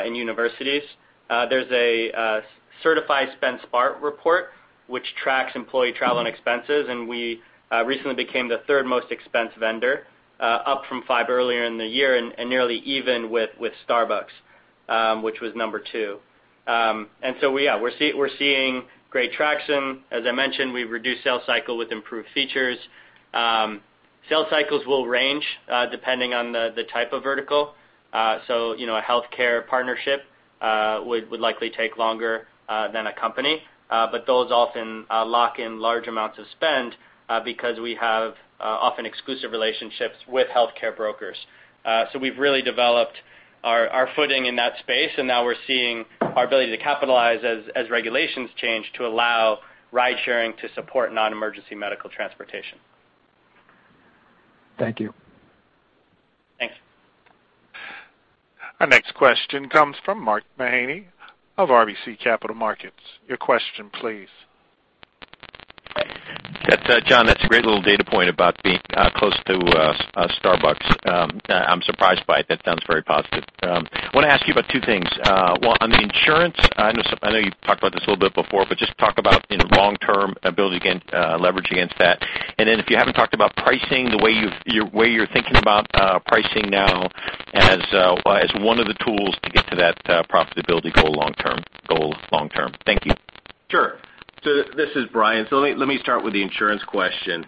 in universities. There's a Certify SpendSmart report which tracks employee travel and expenses, and we recently became the third most expensed vendor, up from five earlier in the year and nearly even with Starbucks, which was number two. we're seeing great traction. As I mentioned, we've reduced sales cycle with improved features. Sales cycles will range depending on the type of vertical. a healthcare partnership would likely take longer than a company. those often lock in large amounts of spend, because we have often exclusive relationships with healthcare brokers. We've really developed our footing in that space, and now we're seeing our ability to capitalize as regulations change to allow ride-sharing to support non-emergency medical transportation. Thank you. Thanks. Our next question comes from Mark Mahaney of RBC Capital Markets. Your question please. John, that's a great little data point about being close to Starbucks. I'm surprised by it. That sounds very positive. I want to ask you about two things. One, on the insurance, I know you've talked about this a little bit before, but just talk about long-term ability to leverage against that. then if you haven't talked about pricing, the way you're thinking about pricing now as one of the tools to get to that profitability goal long-term. Thank you. Sure. This is Brian. Let me start with the insurance question.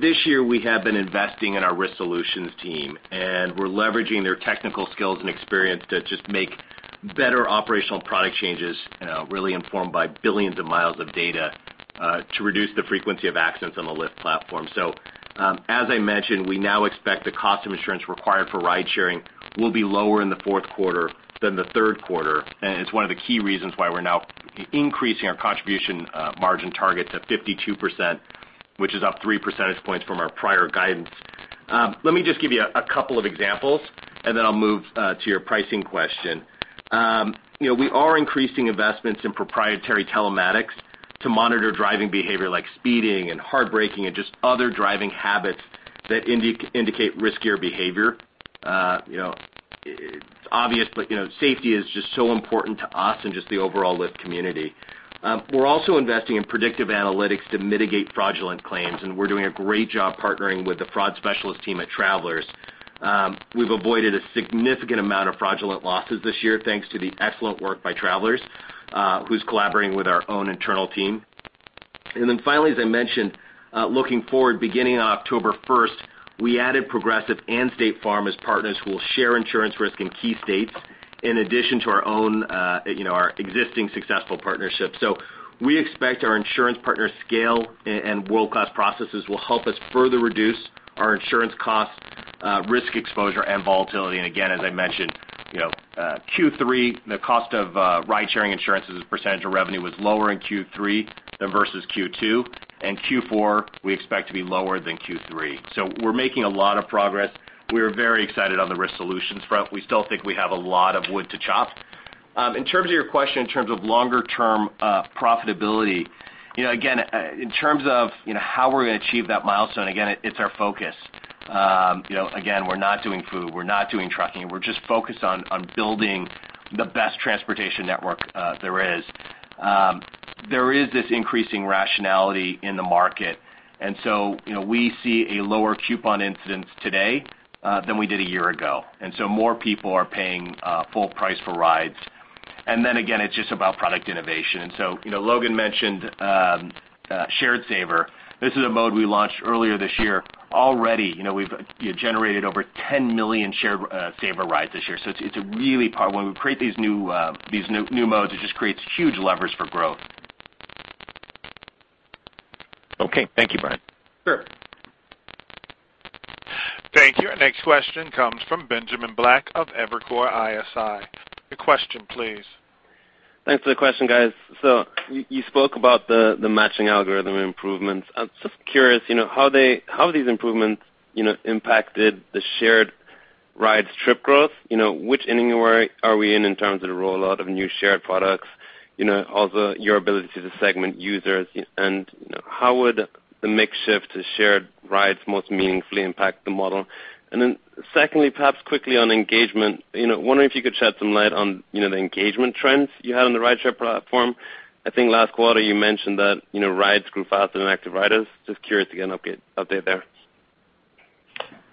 This year, we have been investing in our risk solutions team, and we're leveraging their technical skills and experience to just make better operational product changes, really informed by billions of miles of data, to reduce the frequency of accidents on the Lyft platform. As I mentioned, we now expect the cost of insurance required for ride-sharing will be lower in the fourth quarter than the third quarter. It's one of the key reasons why we're now increasing our contribution margin targets of 52%, which is up 3 percentage points from our prior guidance. Let me just give you a couple of examples, and then I'll move to your pricing question. We are increasing investments in proprietary telematics to monitor driving behavior like speeding and hard braking, and just other driving habits that indicate riskier behavior. Obviously, safety is just so important to us and just the overall Lyft community. We're also investing in predictive analytics to mitigate fraudulent claims, and we're doing a great job partnering with the fraud specialist team at Travelers. We've avoided a significant amount of fraudulent losses this year, thanks to the excellent work by Travelers, who's collaborating with our own internal team. Finally, as I mentioned, looking forward, beginning on October 1st, we added Progressive and State Farm as partners who will share insurance risk in key states, in addition to our existing successful partnerships. We expect our insurance partners' scale and world-class processes will help us further reduce our insurance costs, risk exposure, and volatility. Again, as I mentioned, Q3, the cost of ride-sharing insurance as a percentage of revenue was lower in Q3 than versus Q2, and Q4 we expect to be lower than Q3. We're making a lot of progress. We're very excited on the risk solutions front. We still think we have a lot of wood to chop. In terms of your question in terms of longer-term profitability, again, in terms of how we're going to achieve that milestone, again, it's our focus. Again, we're not doing food, we're not doing trucking. We're just focused on building the best transportation network there is. There is this increasing rationality in the market. We see a lower coupon incidence today, than we did a year ago. More people are paying full price for rides. It's just about product innovation. Logan mentioned, Shared Saver. This is a mode we launched earlier this year. Already, we've generated over 10 million Shared Saver rides this year. It's a really when we create these new modes, it just creates huge levers for growth. Okay. Thank you, Brian. Sure. Thank you. Our next question comes from Benjamin Black of Evercore ISI. Your question, please. Thanks for the question, guys. You spoke about the matching algorithm improvements. I'm just curious, how these improvements impacted the shared rides trip growth. Which inning are we in terms of the rollout of new shared products? Also, your ability to segment users and, how would the mix shift to shared rides most meaningfully impact the model? Secondly, perhaps quickly on engagement, wondering if you could shed some light on the engagement trends you had on the rideshare platform. I think last quarter you mentioned that rides grew faster than active riders. Just curious to get an update there.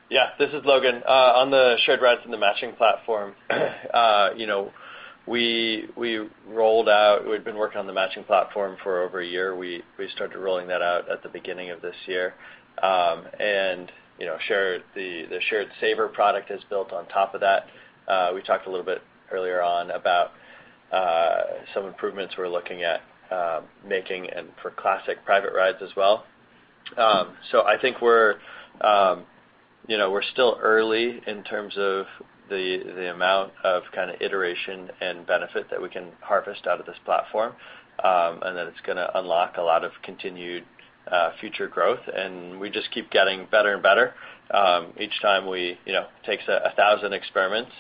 Yeah. This is Logan. On the shared rides and the matching platform, we've been working on the matching platform for over a year. We started rolling that out at the beginning of this year. The Shared Saver product is built on top of that. We talked a little bit earlier on about some improvements we're looking at making and for classic private rides as well. I think we're still early in terms of the amount of kind of iteration and benefit that we can harvest out of this platform, and that it's going to unlock a lot of continued future growth, and we just keep getting better and better. It takes 1,000 experiments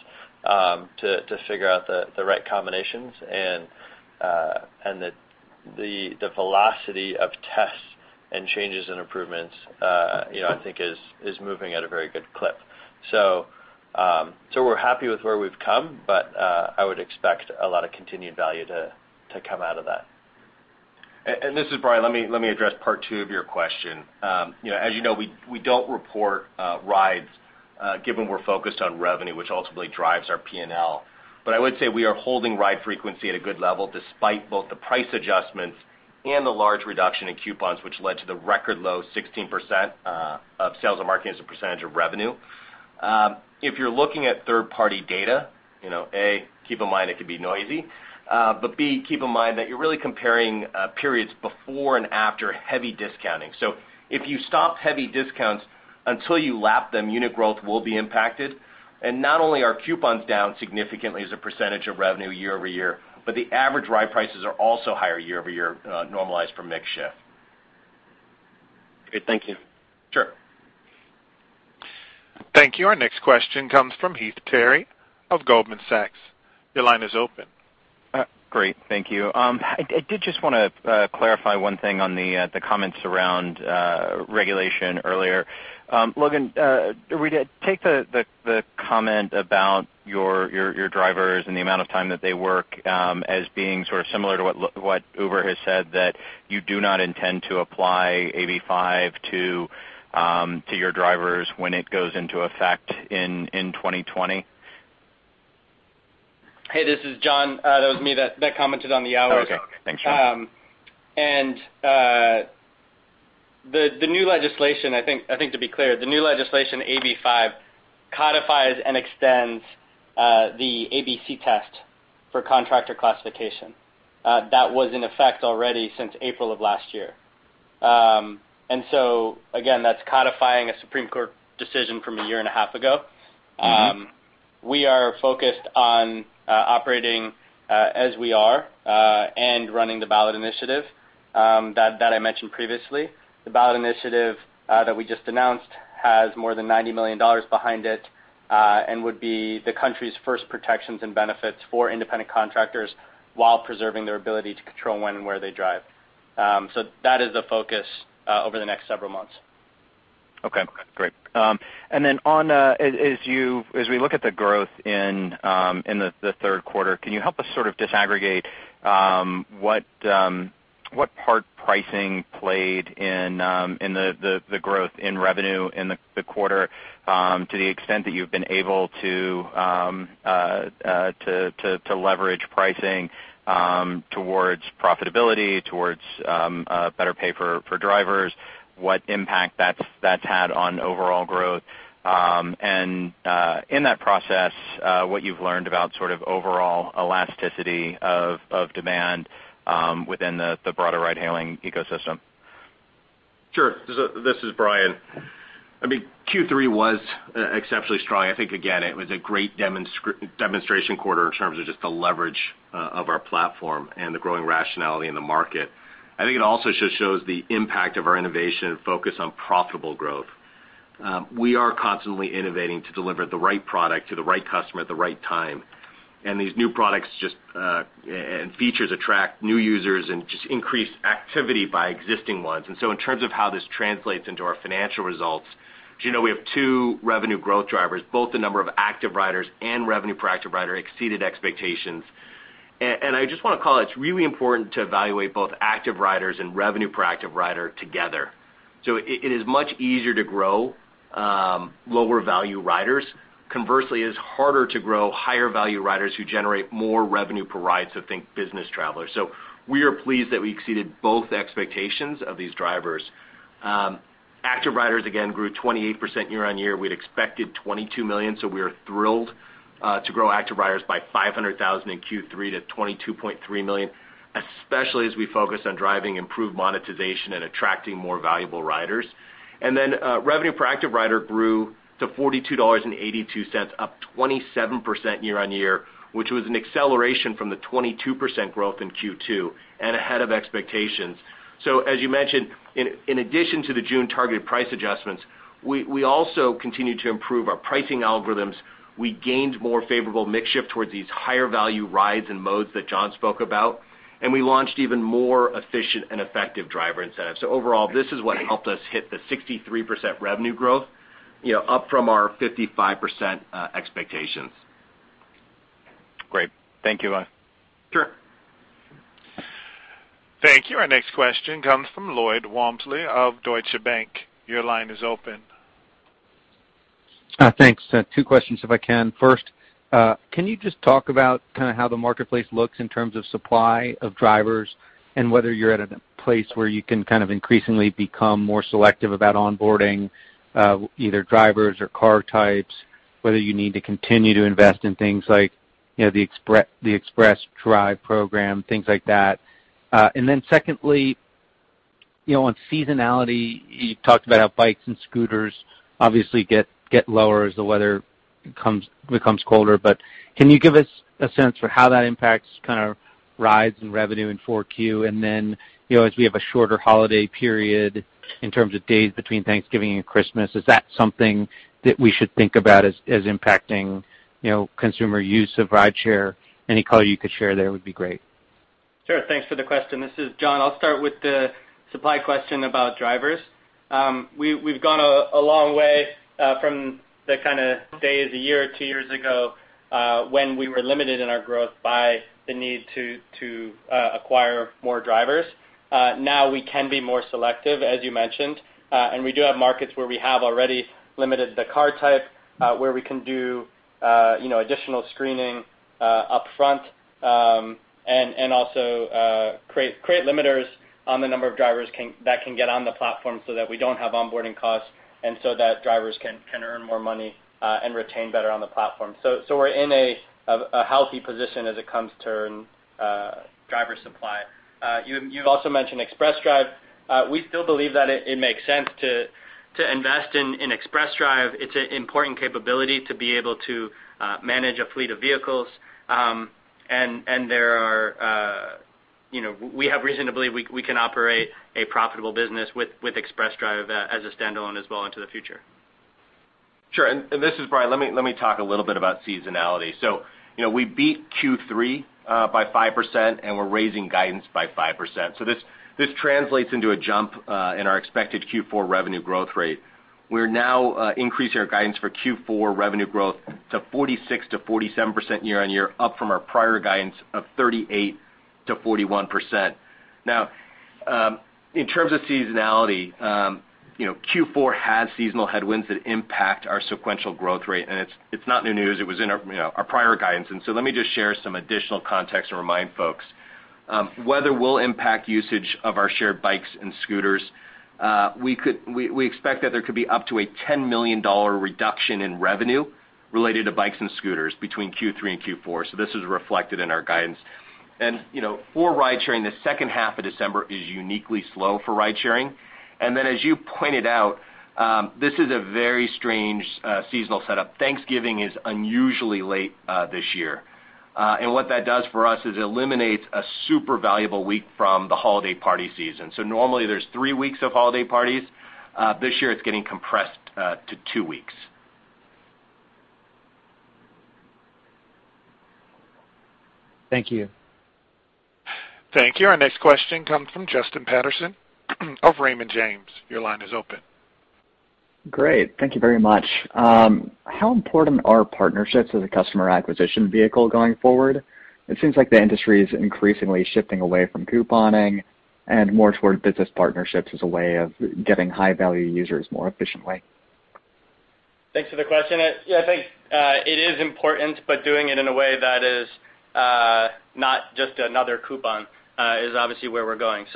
to figure out the right combinations and the velocity of tests and changes and improvements, I think is moving at a very good clip. we're happy with where we've come, but, I would expect a lot of continued value to come out of that. This is Brian. Let me address part two of your question. As you know, we don't report rides, given we're focused on revenue, which ultimately drives our P&L. I would say we are holding ride frequency at a good level, despite both the price adjustments and the large reduction in coupons, which led to the record low 16% of sales and marketing as a percentage of revenue. If you're looking at third-party data, A, keep in mind it could be noisy. B, keep in mind that you're really comparing periods before and after heavy discounting. If you stopped heavy discounts, until you lap them, unit growth will be impacted. Not only are coupons down significantly as a percentage of revenue year-over-year, but the average ride prices are also higher year-over-year, normalized for mix shift. Great. Thank you. Sure. Thank you. Our next question comes from Heath Terry of Goldman Sachs. Your line is open. Great. Thank you. I did just want to clarify one thing on the comments around regulation earlier. Logan, are we to take the comment about your drivers and the amount of time that they work, as being sort of similar to what Uber has said, that you do not intend to apply AB5 to your drivers when it goes into effect in 2020? Hey, this is John. That was me that commented on the hours. Oh, okay. Thanks, John. The new legislation, I think to be clear, the new legislation, AB5, codifies and extends the ABC test for contractor classification. That was in effect already since April of last year. Again, that's codifying a Supreme Court decision from a year and a half ago. We are focused on operating as we are, and running the ballot initiative that I mentioned previously. The ballot initiative that we just announced has more than $90 million behind it, and would be the country's first protections and benefits for independent contractors, while preserving their ability to control when and where they drive. That is the focus over the next several months. Okay, great. as we look at the growth in the third quarter, can you help us sort of disaggregate what part pricing played in the growth in revenue in the quarter, to the extent that you've been able to leverage pricing, towards profitability, towards better pay for drivers, what impact that's had on overall growth, and in that process, what you've learned about sort of overall elasticity of demand within the broader ride-hailing ecosystem? Sure. This is Brian. Q3 was exceptionally strong. I think, again, it was a great demonstration quarter in terms of just the leverage of our platform and the growing rationality in the market. I think it also just shows the impact of our innovation and focus on profitable growth. We are constantly innovating to deliver the right product to the right customer at the right time. These new products and features attract new users and just increase activity by existing ones. In terms of how this translates into our financial results, as you know, we have two revenue growth drivers, both the number of active riders and revenue per active rider exceeded expectations. I just want to call it's really important to evaluate both active riders and revenue per active rider together. It is much easier to grow lower value riders. Conversely, it's harder to grow higher value riders who generate more revenue per ride, so think business travelers. We are pleased that we exceeded both expectations of these drivers. Active riders, again, grew 28% year-on-year. We'd expected 22 million, so we are thrilled to grow active riders by 500,000 in Q3 to 22.3 million, especially as we focus on driving improved monetization and attracting more valuable riders. Revenue per active rider grew to $42.82, up 27% year-on-year, which was an acceleration from the 22% growth in Q2 and ahead of expectations. As you mentioned, in addition to the June targeted price adjustments, we also continued to improve our pricing algorithms. We gained more favorable mix shift towards these higher value rides and modes that John spoke about, and we launched even more efficient and effective driver incentives. Overall, this is what helped us hit the 63% revenue growth, up from our 55% expectations. Great. Thank you. Sure. Thank you. Our next question comes from Lloyd Walmsley of Deutsche Bank. Your line is open. Thanks. Two questions, if I can. First, can you just talk about kind of how the marketplace looks in terms of supply of drivers and whether you're at a place where you can kind of increasingly become more selective about onboarding, either drivers or car types, whether you need to continue to invest in things like the Express Drive program, things like that. Secondly, on seasonality, you talked about how bikes and scooters obviously get lower as the weather becomes colder. Can you give us a sense for how that impacts kind of rides and revenue in 4Q? As we have a shorter holiday period in terms of days between Thanksgiving and Christmas, is that something that we should think about as impacting consumer use of rideshare? Any color you could share there would be great. Sure. Thanks for the question. This is John. I'll start with the supply question about drivers. We've gone a long way from the kind of days a year or two years ago, when we were limited in our growth by the need to acquire more drivers. Now we can be more selective, as you mentioned. We do have markets where we have already limited the car type, where we can do additional screening up front, and also create limiters on the number of drivers that can get on the platform so that we don't have onboarding costs, and so that drivers can earn more money, and retain better on the platform. We're in a healthy position as it comes to driver supply. You also mentioned Express Drive. We still believe that it makes sense to invest in Express Drive. It's an important capability to be able to manage a fleet of vehicles. We have reason to believe we can operate a profitable business with Express Drive as a standalone as well into the future. Sure. This is Brian. Let me talk a little bit about seasonality. We beat Q3 by 5%, and we're raising guidance by 5%. This translates into a jump in our expected Q4 revenue growth rate. We're now increasing our guidance for Q4 revenue growth to 46 to 47% year-over-year, up from our prior guidance of 38 to 41%. Now, in terms of seasonality, Q4 has seasonal headwinds that impact our sequential growth rate, and it's not new news. It was in our prior guidance. Let me just share some additional context and remind folks. Weather will impact usage of our shared bikes and scooters. We expect that there could be up to a $10 million reduction in revenue related to bikes and scooters between Q3 and Q4. This is reflected in our guidance. For ridesharing, the second half of December is uniquely slow for ridesharing. As you pointed out, this is a very strange seasonal setup. Thanksgiving is unusually late this year. What that does for us is it eliminates a super valuable week from the holiday party season. Normally there's three weeks of holiday parties. This year, it's getting compressed to two weeks. Thank you. Thank you. Our next question comes from Justin Patterson of Raymond James. Your line is open. Great. Thank you very much. How important are partnerships as a customer acquisition vehicle going forward? It seems like the industry is increasingly shifting away from couponing and more towards business partnerships as a way of getting high-value users more efficiently. Thanks for the question. Yeah, I think, it is important, but doing it in a way that is not just another coupon, is obviously where we're going.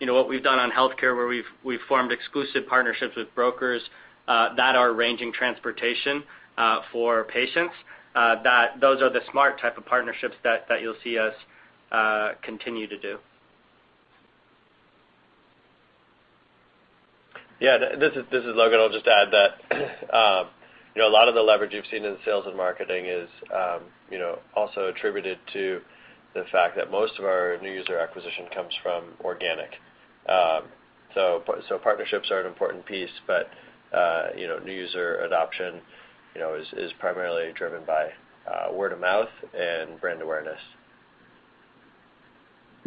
what we've done on healthcare, where we've formed exclusive partnerships with brokers that are arranging transportation for patients, those are the smart type of partnerships that you'll see us continue to do. Yeah. This is Logan. I'll just add that a lot of the leverage you've seen in sales and marketing is also attributed to the fact that most of our new user acquisition comes from organic. Partnerships are an important piece, but new user adoption is primarily driven by word of mouth and brand awareness.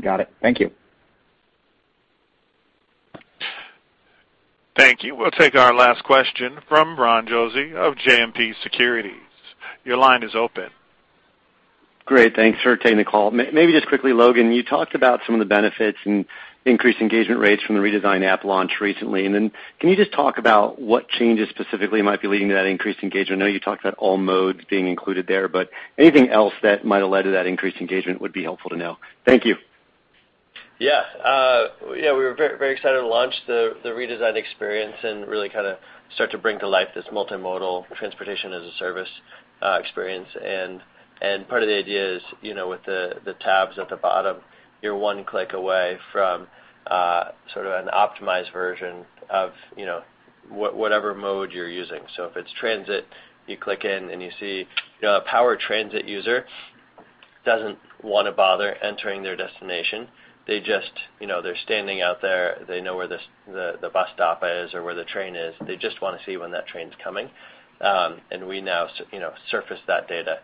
Got it. Thank you. Thank you. We'll take our last question from Ron Josey of JMP Securities. Your line is open. Great. Thanks for taking the call. Maybe just quickly, Logan, you talked about some of the benefits and increased engagement rates from the redesigned app launch recently, and then can you just talk about what changes specifically might be leading to that increased engagement? I know you talked about all modes being included there, but anything else that might have led to that increased engagement would be helpful to know. Thank you. Yeah. We were very excited to launch the redesigned experience and really start to bring to life this multimodal transportation as a service experience. Part of the idea is, with the tabs at the bottom, you're one click away from an optimized version of whatever mode you're using. If it's transit, you click in and you see a power transit user doesn't want to bother entering their destination. They're standing out there. They know where the bus stop is or where the train is. They just want to see when that train's coming. We now surface that data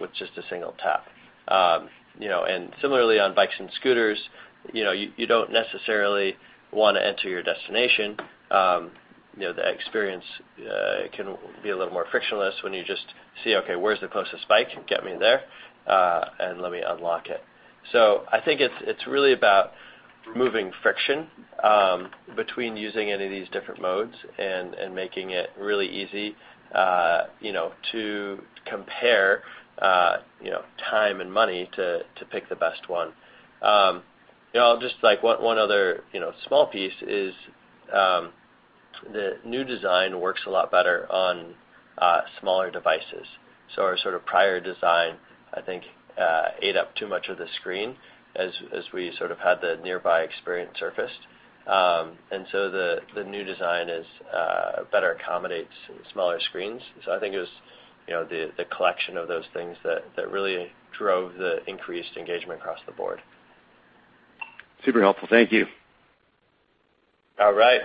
with just a single tap. Similarly on bikes and scooters, you don't necessarily want to enter your destination. The experience can be a little more frictionless when you just see, okay, where's the closest bike? Get me there, and let me unlock it. I think it's really about removing friction between using any of these different modes and making it really easy to compare time and money to pick the best one. Just one other small piece is the new design works a lot better on smaller devices. our prior design, I think, ate up too much of the screen as we had the nearby experience surfaced. the new design better accommodates smaller screens. I think it was the collection of those things that really drove the increased engagement across the board. Super helpful. Thank you. All right.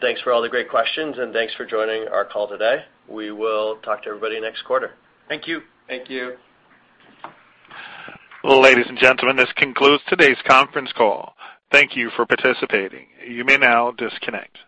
Thanks for all the great questions, and thanks for joining our call today. We will talk to everybody next quarter. Thank you. Thank you. Ladies and gentlemen, this concludes today's conference call. Thank you for participating. You may now disconnect.